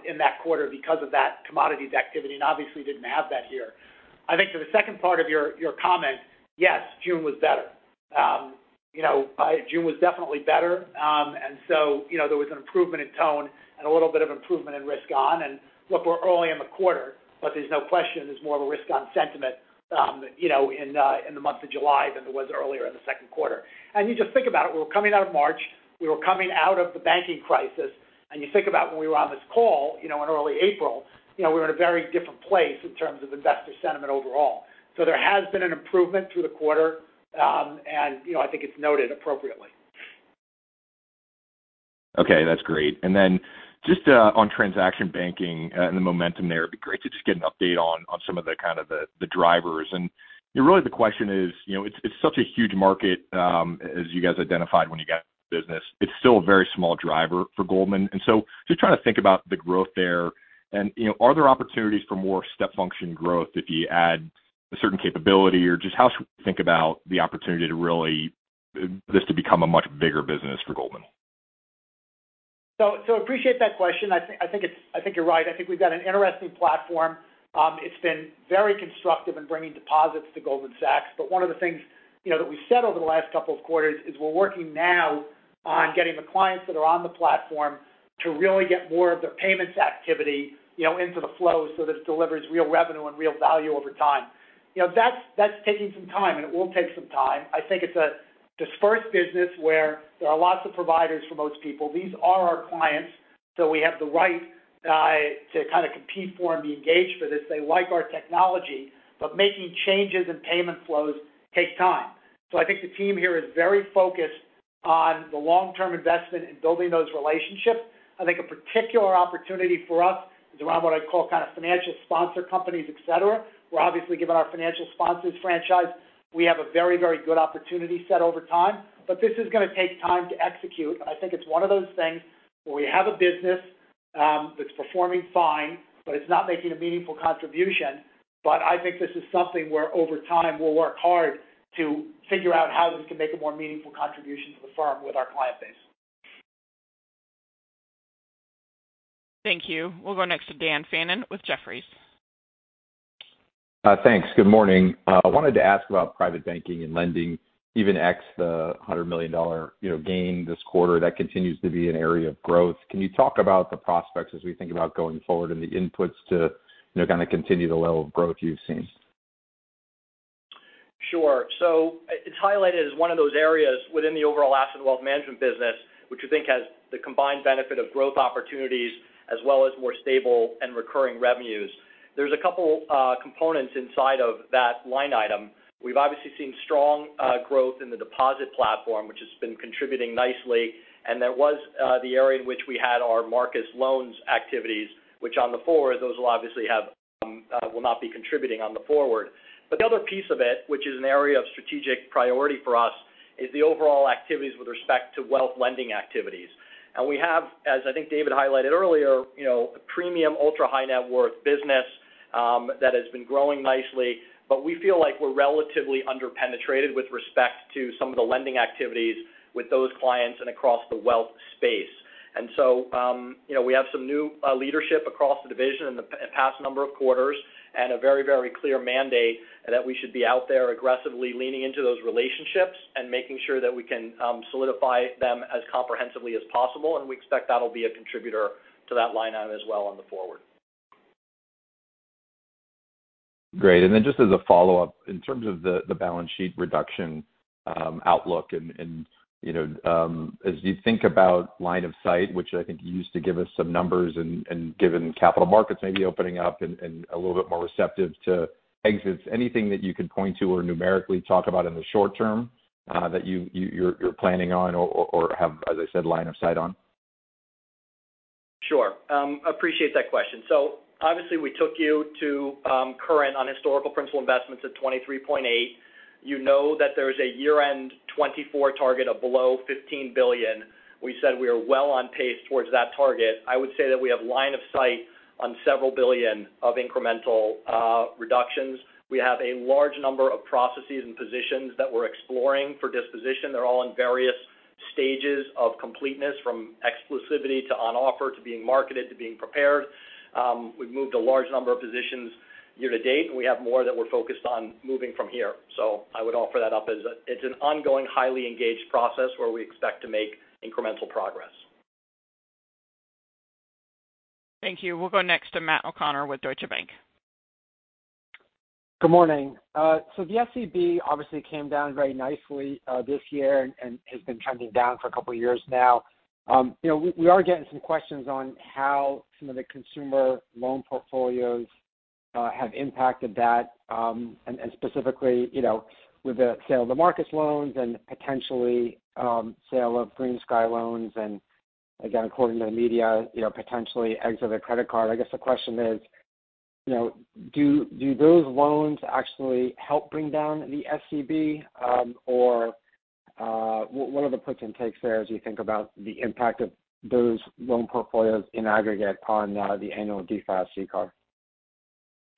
in that quarter because of that commodities activity. Obviously, didn't have that here. I think for the second part of your comment, yes, June was better. you know, June was definitely better. You know, there was an improvement in tone and a little bit of improvement in risk on. Look, we're early in the quarter, but there's no question there's more of a risk on sentiment, you know, in the month of July than there was earlier in the Q2. You just think about it, we were coming out of March, we were coming out of the banking crisis, and you think about when we were on this call, you know, in early April, you know, we were in a very different place in terms of investor sentiment overall. There has been an improvement through the quarter. You know, I think it's noted appropriately. Okay, that's great. Just on transaction banking, and the momentum there, it'd be great to just get an update on some of the, kind of the drivers. Really, the question is, you know, it's such a huge market, as you guys identified when you got business. It's still a very small driver for Goldman. Just trying to think about the growth there and, you know, are there opportunities for more step function growth if you add a certain capability? How should we think about the opportunity to this to become a much bigger business for Goldman? Appreciate that question. I think you're right. I think we've got an interesting platform. It's been very constructive in bringing deposits to Goldman Sachs, one of the things, you know, that we've said over the last couple of quarters is, we're working now on getting the clients that are on the platform to really get more of their payments activity, you know, into the flow so that it delivers real revenue and real value over time. That's taking some time, and it will take some time. I think it's a dispersed business where there are lots of providers for most people. These are our clients, so we have the right to kind of compete for and be engaged for this. They like our technology, making changes in payment flows takes time. I think the team here is very focused. on the long-term investment in building those relationships. I think a particular opportunity for us is around what I'd call kind of financial sponsor companies, et cetera. Where obviously, given our financial sponsors franchise, we have a very, very good opportunity set over time. This is going to take time to execute. I think it's one of those things where we have a business that's performing fine, but it's not making a meaningful contribution. I think this is something where, over time, we'll work hard to figure out how this can make a more meaningful contribution to the firm with our client base. Thank you. We'll go next to Dan Fannon with Jefferies. Thanks. Good morning. I wanted to ask about private banking and lending. Even ex the $100 million, you know, gain this quarter, that continues to be an area of growth. Can you talk about the prospects as we think about going forward and the inputs to, you know, kind of continue the level of growth you've seen? Sure. It's highlighted as one of those areas within the overall Asset & Wealth Management business, which we think has the combined benefit of growth opportunities, as well as more stable and recurring revenues. There's a couple components inside of that line item. We've obviously seen strong growth in the deposit platform, which has been contributing nicely. There was the area in which we had our Marcus Loans activities, which on the forward, those will obviously have will not be contributing on the forward. The other piece of it, which is an area of strategic priority for us, is the overall activities with respect to wealth lending activities. We have, as I think David highlighted earlier, you know, a premium ultra high net worth business that has been growing nicely. We feel like we're relatively under-penetrated with respect to some of the lending activities with those clients and across the wealth space. You know, we have some new leadership across the division in the past number of quarters, and a very, very clear mandate that we should be out there aggressively leaning into those relationships and making sure that we can solidify them as comprehensively as possible. We expect that'll be a contributor to that line item as well on the forward. Great. Just as a follow-up, in terms of the balance sheet reduction, outlook and, you know, as you think about line of sight, which I think you used to give us some numbers and given capital markets maybe opening up and a little bit more receptive to exits, anything that you could point to or numerically talk about in the short term, that you're planning on or have, as I said, line of sight on? Sure. Appreciate that question. Obviously, we took you to current on historical principal investments at $23.8 billion. You know that there is a year-end 2024 target of below $15 billion. We said we are well on pace towards that target. I would say that we have line of sight on several billion of incremental reductions. We have a large number of processes and positions that we're exploring for disposition. They're all in various stages of completeness, from exclusivity to on offer, to being marketed, to being prepared. We've moved a large number of positions year to date, and we have more that we're focused on moving from here. I would offer that up as it's an ongoing, highly engaged process, where we expect to make incremental progress. Thank you. We'll go next to Matt O'Connor with Deutsche Bank. Good morning. The SCB obviously came down very nicely this year and has been trending down for a couple of years now. You know, we are getting some questions on how some of the consumer loan portfolios have impacted that. And specifically, you know, with the sale of the Marcus Loans and potentially sale of GreenSky loans, and again, according to the media, you know, potentially exit their credit card. I guess the question is, you know, do those loans actually help bring down the SCB, or what are the puts and takes there as you think about the impact of those loan portfolios in aggregate on the annual DFAST CCAR?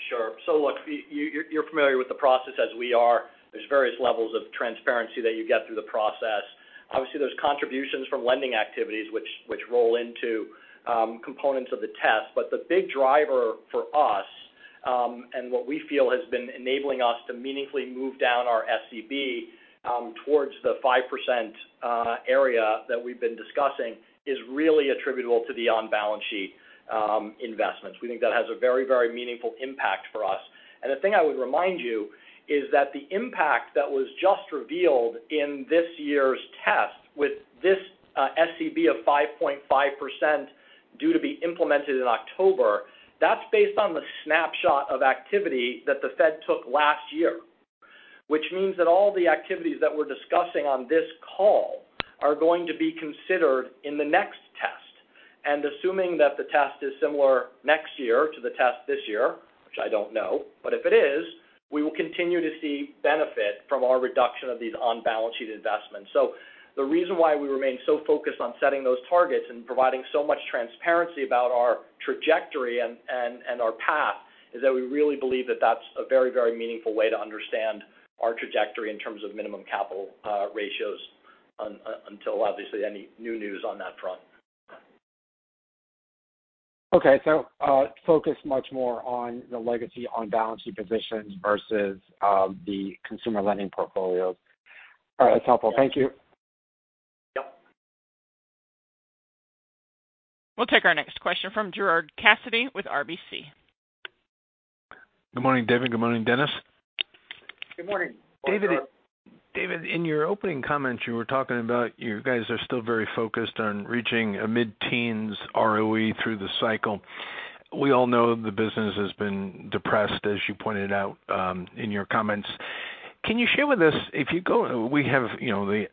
Sure. Look, you're familiar with the process as we are. There's various levels of transparency that you get through the process. Obviously, there's contributions from lending activities, which roll into components of the test. The big driver for us, and what we feel has been enabling us to meaningfully move down our SCB towards the 5% area that we've been discussing, is really attributable to the on-balance sheet investments. We think that has a very meaningful impact for us. The thing I would remind you is that the impact that was just revealed in this year's test, with this SCB of 5.5% due to be implemented in October, that's based on the snapshot of activity that the Fed took last year. Which means that all the activities that we're discussing on this call are going to be considered in the next test. Assuming that the test is similar next year to the test this year, which I don't know, but if it is, we will continue to see benefit from our reduction of these on-balance sheet investments. The reason why we remain so focused on setting those targets and providing so much transparency about our trajectory and our path, is that we really believe that that's a very, very meaningful way to understand our trajectory in terms of minimum capital ratios until obviously, any new news on that front. Okay. Focus much more on the legacy on-balance sheet positions versus the consumer lending portfolios. All right. That's helpful. Thank you. Yep. We'll take our next question from Gerard Cassidy with RBC. Good morning, David. Good morning, Denis. Good morning. David, in your opening comments, you were talking about you guys are still very focused on reaching a mid-teens ROE through the cycle. We all know the business has been depressed, as you pointed out, in your comments. Can you share with us, we have, you know, the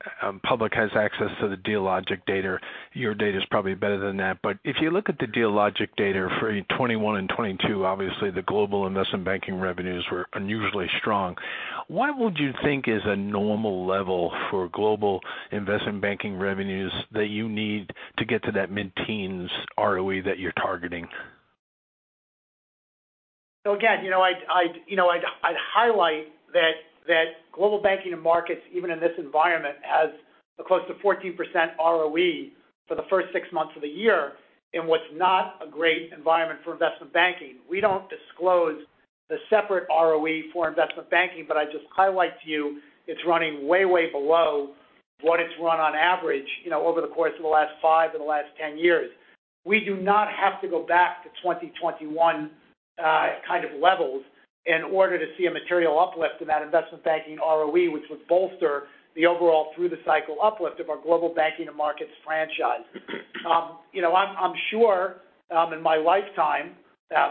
public has access to the Dealogic data. Your data is probably better than that. If you look at the Dealogic data for 21 and 22, obviously, the global investment banking revenues were unusually strong. What would you think is a normal level for global investment banking revenues that you need to get to that mid-teens ROE that you're targeting? Again, you know, I'd, you know, I'd highlight that Global Banking & Markets, even in this environment, has close to 14% ROE for the first six months of the year in what's not a great environment for investment banking. We don't disclose the separate ROE for investment banking, but I'd just highlight to you, it's running way below what it's run on average, you know, over the course of the last five and the last 10 years. We do not have to go back to 2021 kind of levels in order to see a material uplift in that investment banking ROE, which would bolster the overall through-the-cycle uplift of our Global Banking & Markets franchise. You know, I'm sure, in my lifetime,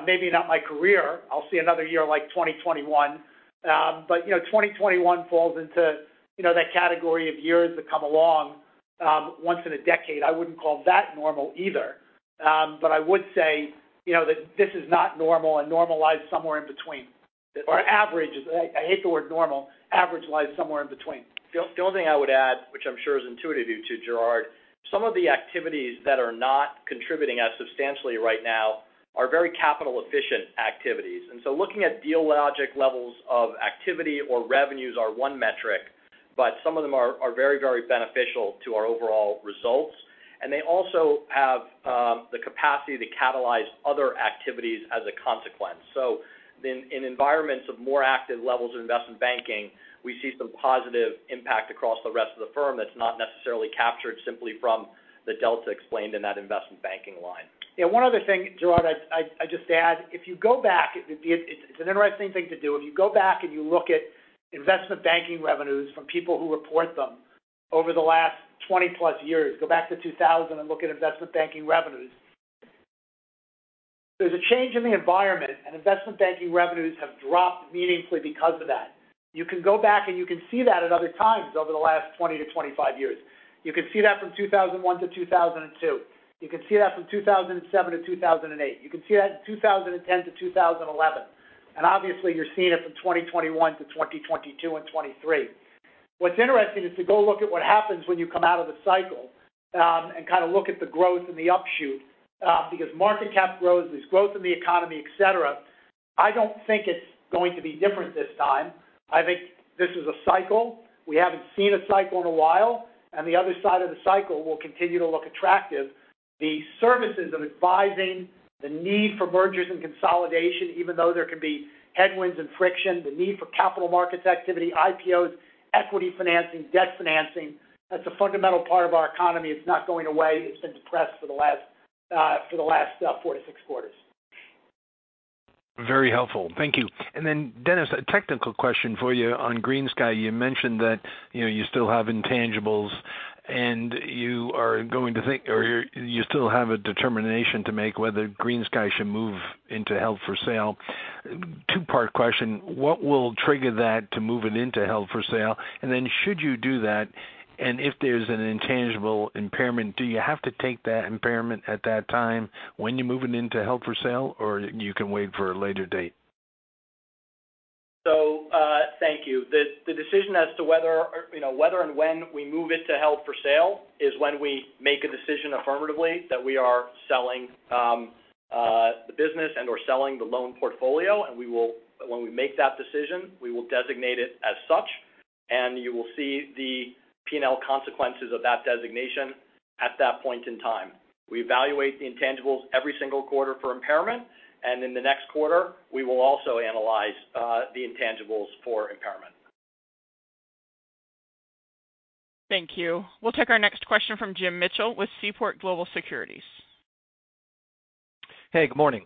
maybe not my career, I'll see another year like 2021. You know, 2021 falls into, you know, that category of years that come along once in a decade. I wouldn't call that normal either. I would say, you know, that this is not normal and normalize somewhere in between. Or average, I hate the word normal. Average lies somewhere in between. The only thing I would add, which I'm sure is intuitive to you, Gerard, some of the activities that are not contributing as substantially right now are very capital efficient activities. Looking at Dealogic levels of activity or revenues are one metric, but some of them are very, very beneficial to our overall results, and they also have the capacity to catalyze other activities as a consequence. In environments of more active levels of investment banking, we see some positive impact across the rest of the firm that's not necessarily captured simply from the delta explained in that investment banking line. Yeah, one other thing, Gerard, I'd just add. If you go back, it's an interesting thing to do. If you go back and you look at investment banking revenues from people who report them over the last 20+ years, go back to 2000 and look at investment banking revenues. There's a change in the environment, investment banking revenues have dropped meaningfully because of that. You can go back, and you can see that at other times over the last 20-25 years. You can see that from 2001-2002. You can see that from 2007-2008. You can see that in 2010-2011, and obviously, you're seeing it from 2021-2022 and 2023. What's interesting is to go look at what happens when you come out of the cycle, and kind of look at the growth and the upshot, because market cap grows, there's growth in the economy, et cetera. I don't think it's going to be different this time. I think this is a cycle. We haven't seen a cycle in a while, and the other side of the cycle will continue to look attractive. The services of advising, the need for mergers and consolidation, even though there can be headwinds and friction, the need for capital markets activity, IPOs, equity financing, debt financing, that's a fundamental part of our economy. It's not going away. It's been depressed for the last 4 to 6 quarters. Very helpful. Thank you. Denis, a technical question for you on GreenSky. You mentioned that, you know, you still have intangibles, and you are going to think, or you're, you still have a determination to make whether GreenSky should move into held for sale. Two-part question: What will trigger that to move it into held for sale? Should you do that, and if there's an intangible impairment, do you have to take that impairment at that time when you're moving into held for sale, or you can wait for a later date? Thank you. The decision as to whether, you know, whether and when we move it to held for sale is when we make a decision affirmatively that we are selling the business and/or selling the loan portfolio, and when we make that decision, we will designate it as such, and you will see the P&L consequences of that designation at that point in time. We evaluate the intangibles every single quarter for impairment, and in the next quarter, we will also analyze the intangibles for impairment. Thank you. We'll take our next question from James Mitchell with Seaport Global Securities. Hey, good morning.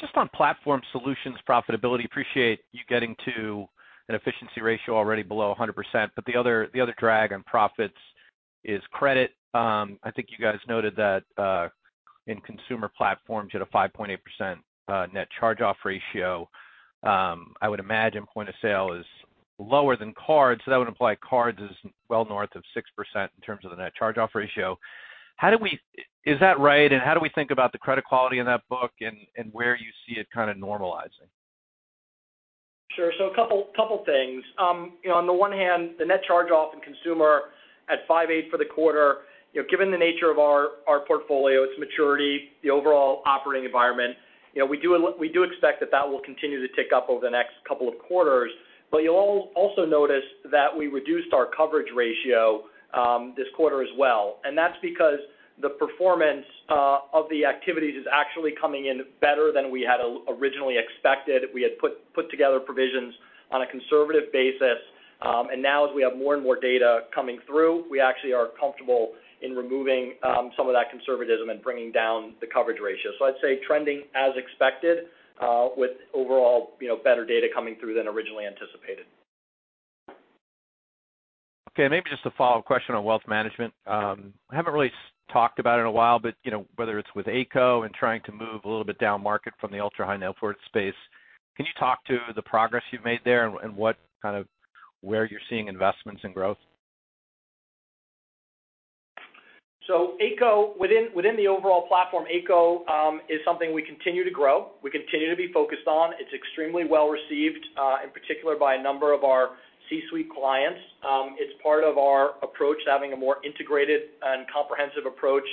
Just on platform solutions profitability, appreciate you getting to an efficiency ratio already below 100%, but the other drag on profits is credit. I think you guys noted that in consumer platforms, you had a 5.8% net charge-off ratio. I would imagine point-of-sale is lower than cards, so that would imply cards is well north of 6% in terms of the net charge-off ratio. Is that right? And how do we think about the credit quality in that book and where you see it kind of normalizing? Sure. A couple things. You know, on the one hand, the net charge-off in consumer at 5.8% for the quarter, you know, given the nature of our portfolio, its maturity, the overall operating environment, you know, we do expect that that will continue to tick up over the next couple of quarters. You'll also notice that we reduced our coverage ratio this quarter as well, and that's because the performance of the activities is actually coming in better than we had originally expected. We had put together provisions on a conservative basis, and now as we have more and more data coming through, we actually are comfortable in removing some of that conservatism and bringing down the coverage ratio. I'd say trending as expected, with overall, you know, better data coming through than originally anticipated. Okay, maybe just a follow-up question on wealth management. I haven't really talked about it in a while, but, you know, whether it's with Ayco and trying to move a little bit down market from the ultra-high net worth space, can you talk to the progress you've made there and what kind of, where you're seeing investments and growth? Ayco, within the overall platform, Ayco, is something we continue to grow. We continue to be focused on. It's extremely well-received, in particular by a number of our C-suite clients. It's part of our approach to having a more integrated and comprehensive approach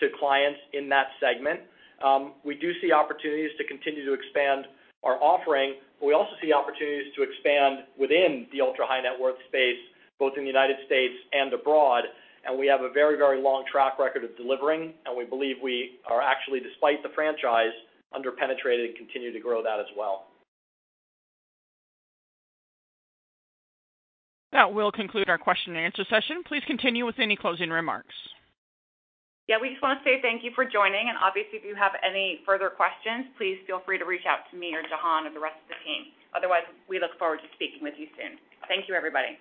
to clients in that segment. We do see opportunities to continue to expand our offering, but we also see opportunities to expand within the ultra-high net worth space, both in the United States and abroad. We have a very long track record of delivering, and we believe we are actually, despite the franchise, underpenetrated and continue to grow that as well. That will conclude our question and answer session. Please continue with any closing remarks. Yeah, we just want to say thank you for joining, and obviously, if you have any further questions, please feel free to reach out to me or Jahan or the rest of the team. Otherwise, we look forward to speaking with you soon. Thank you, everybody.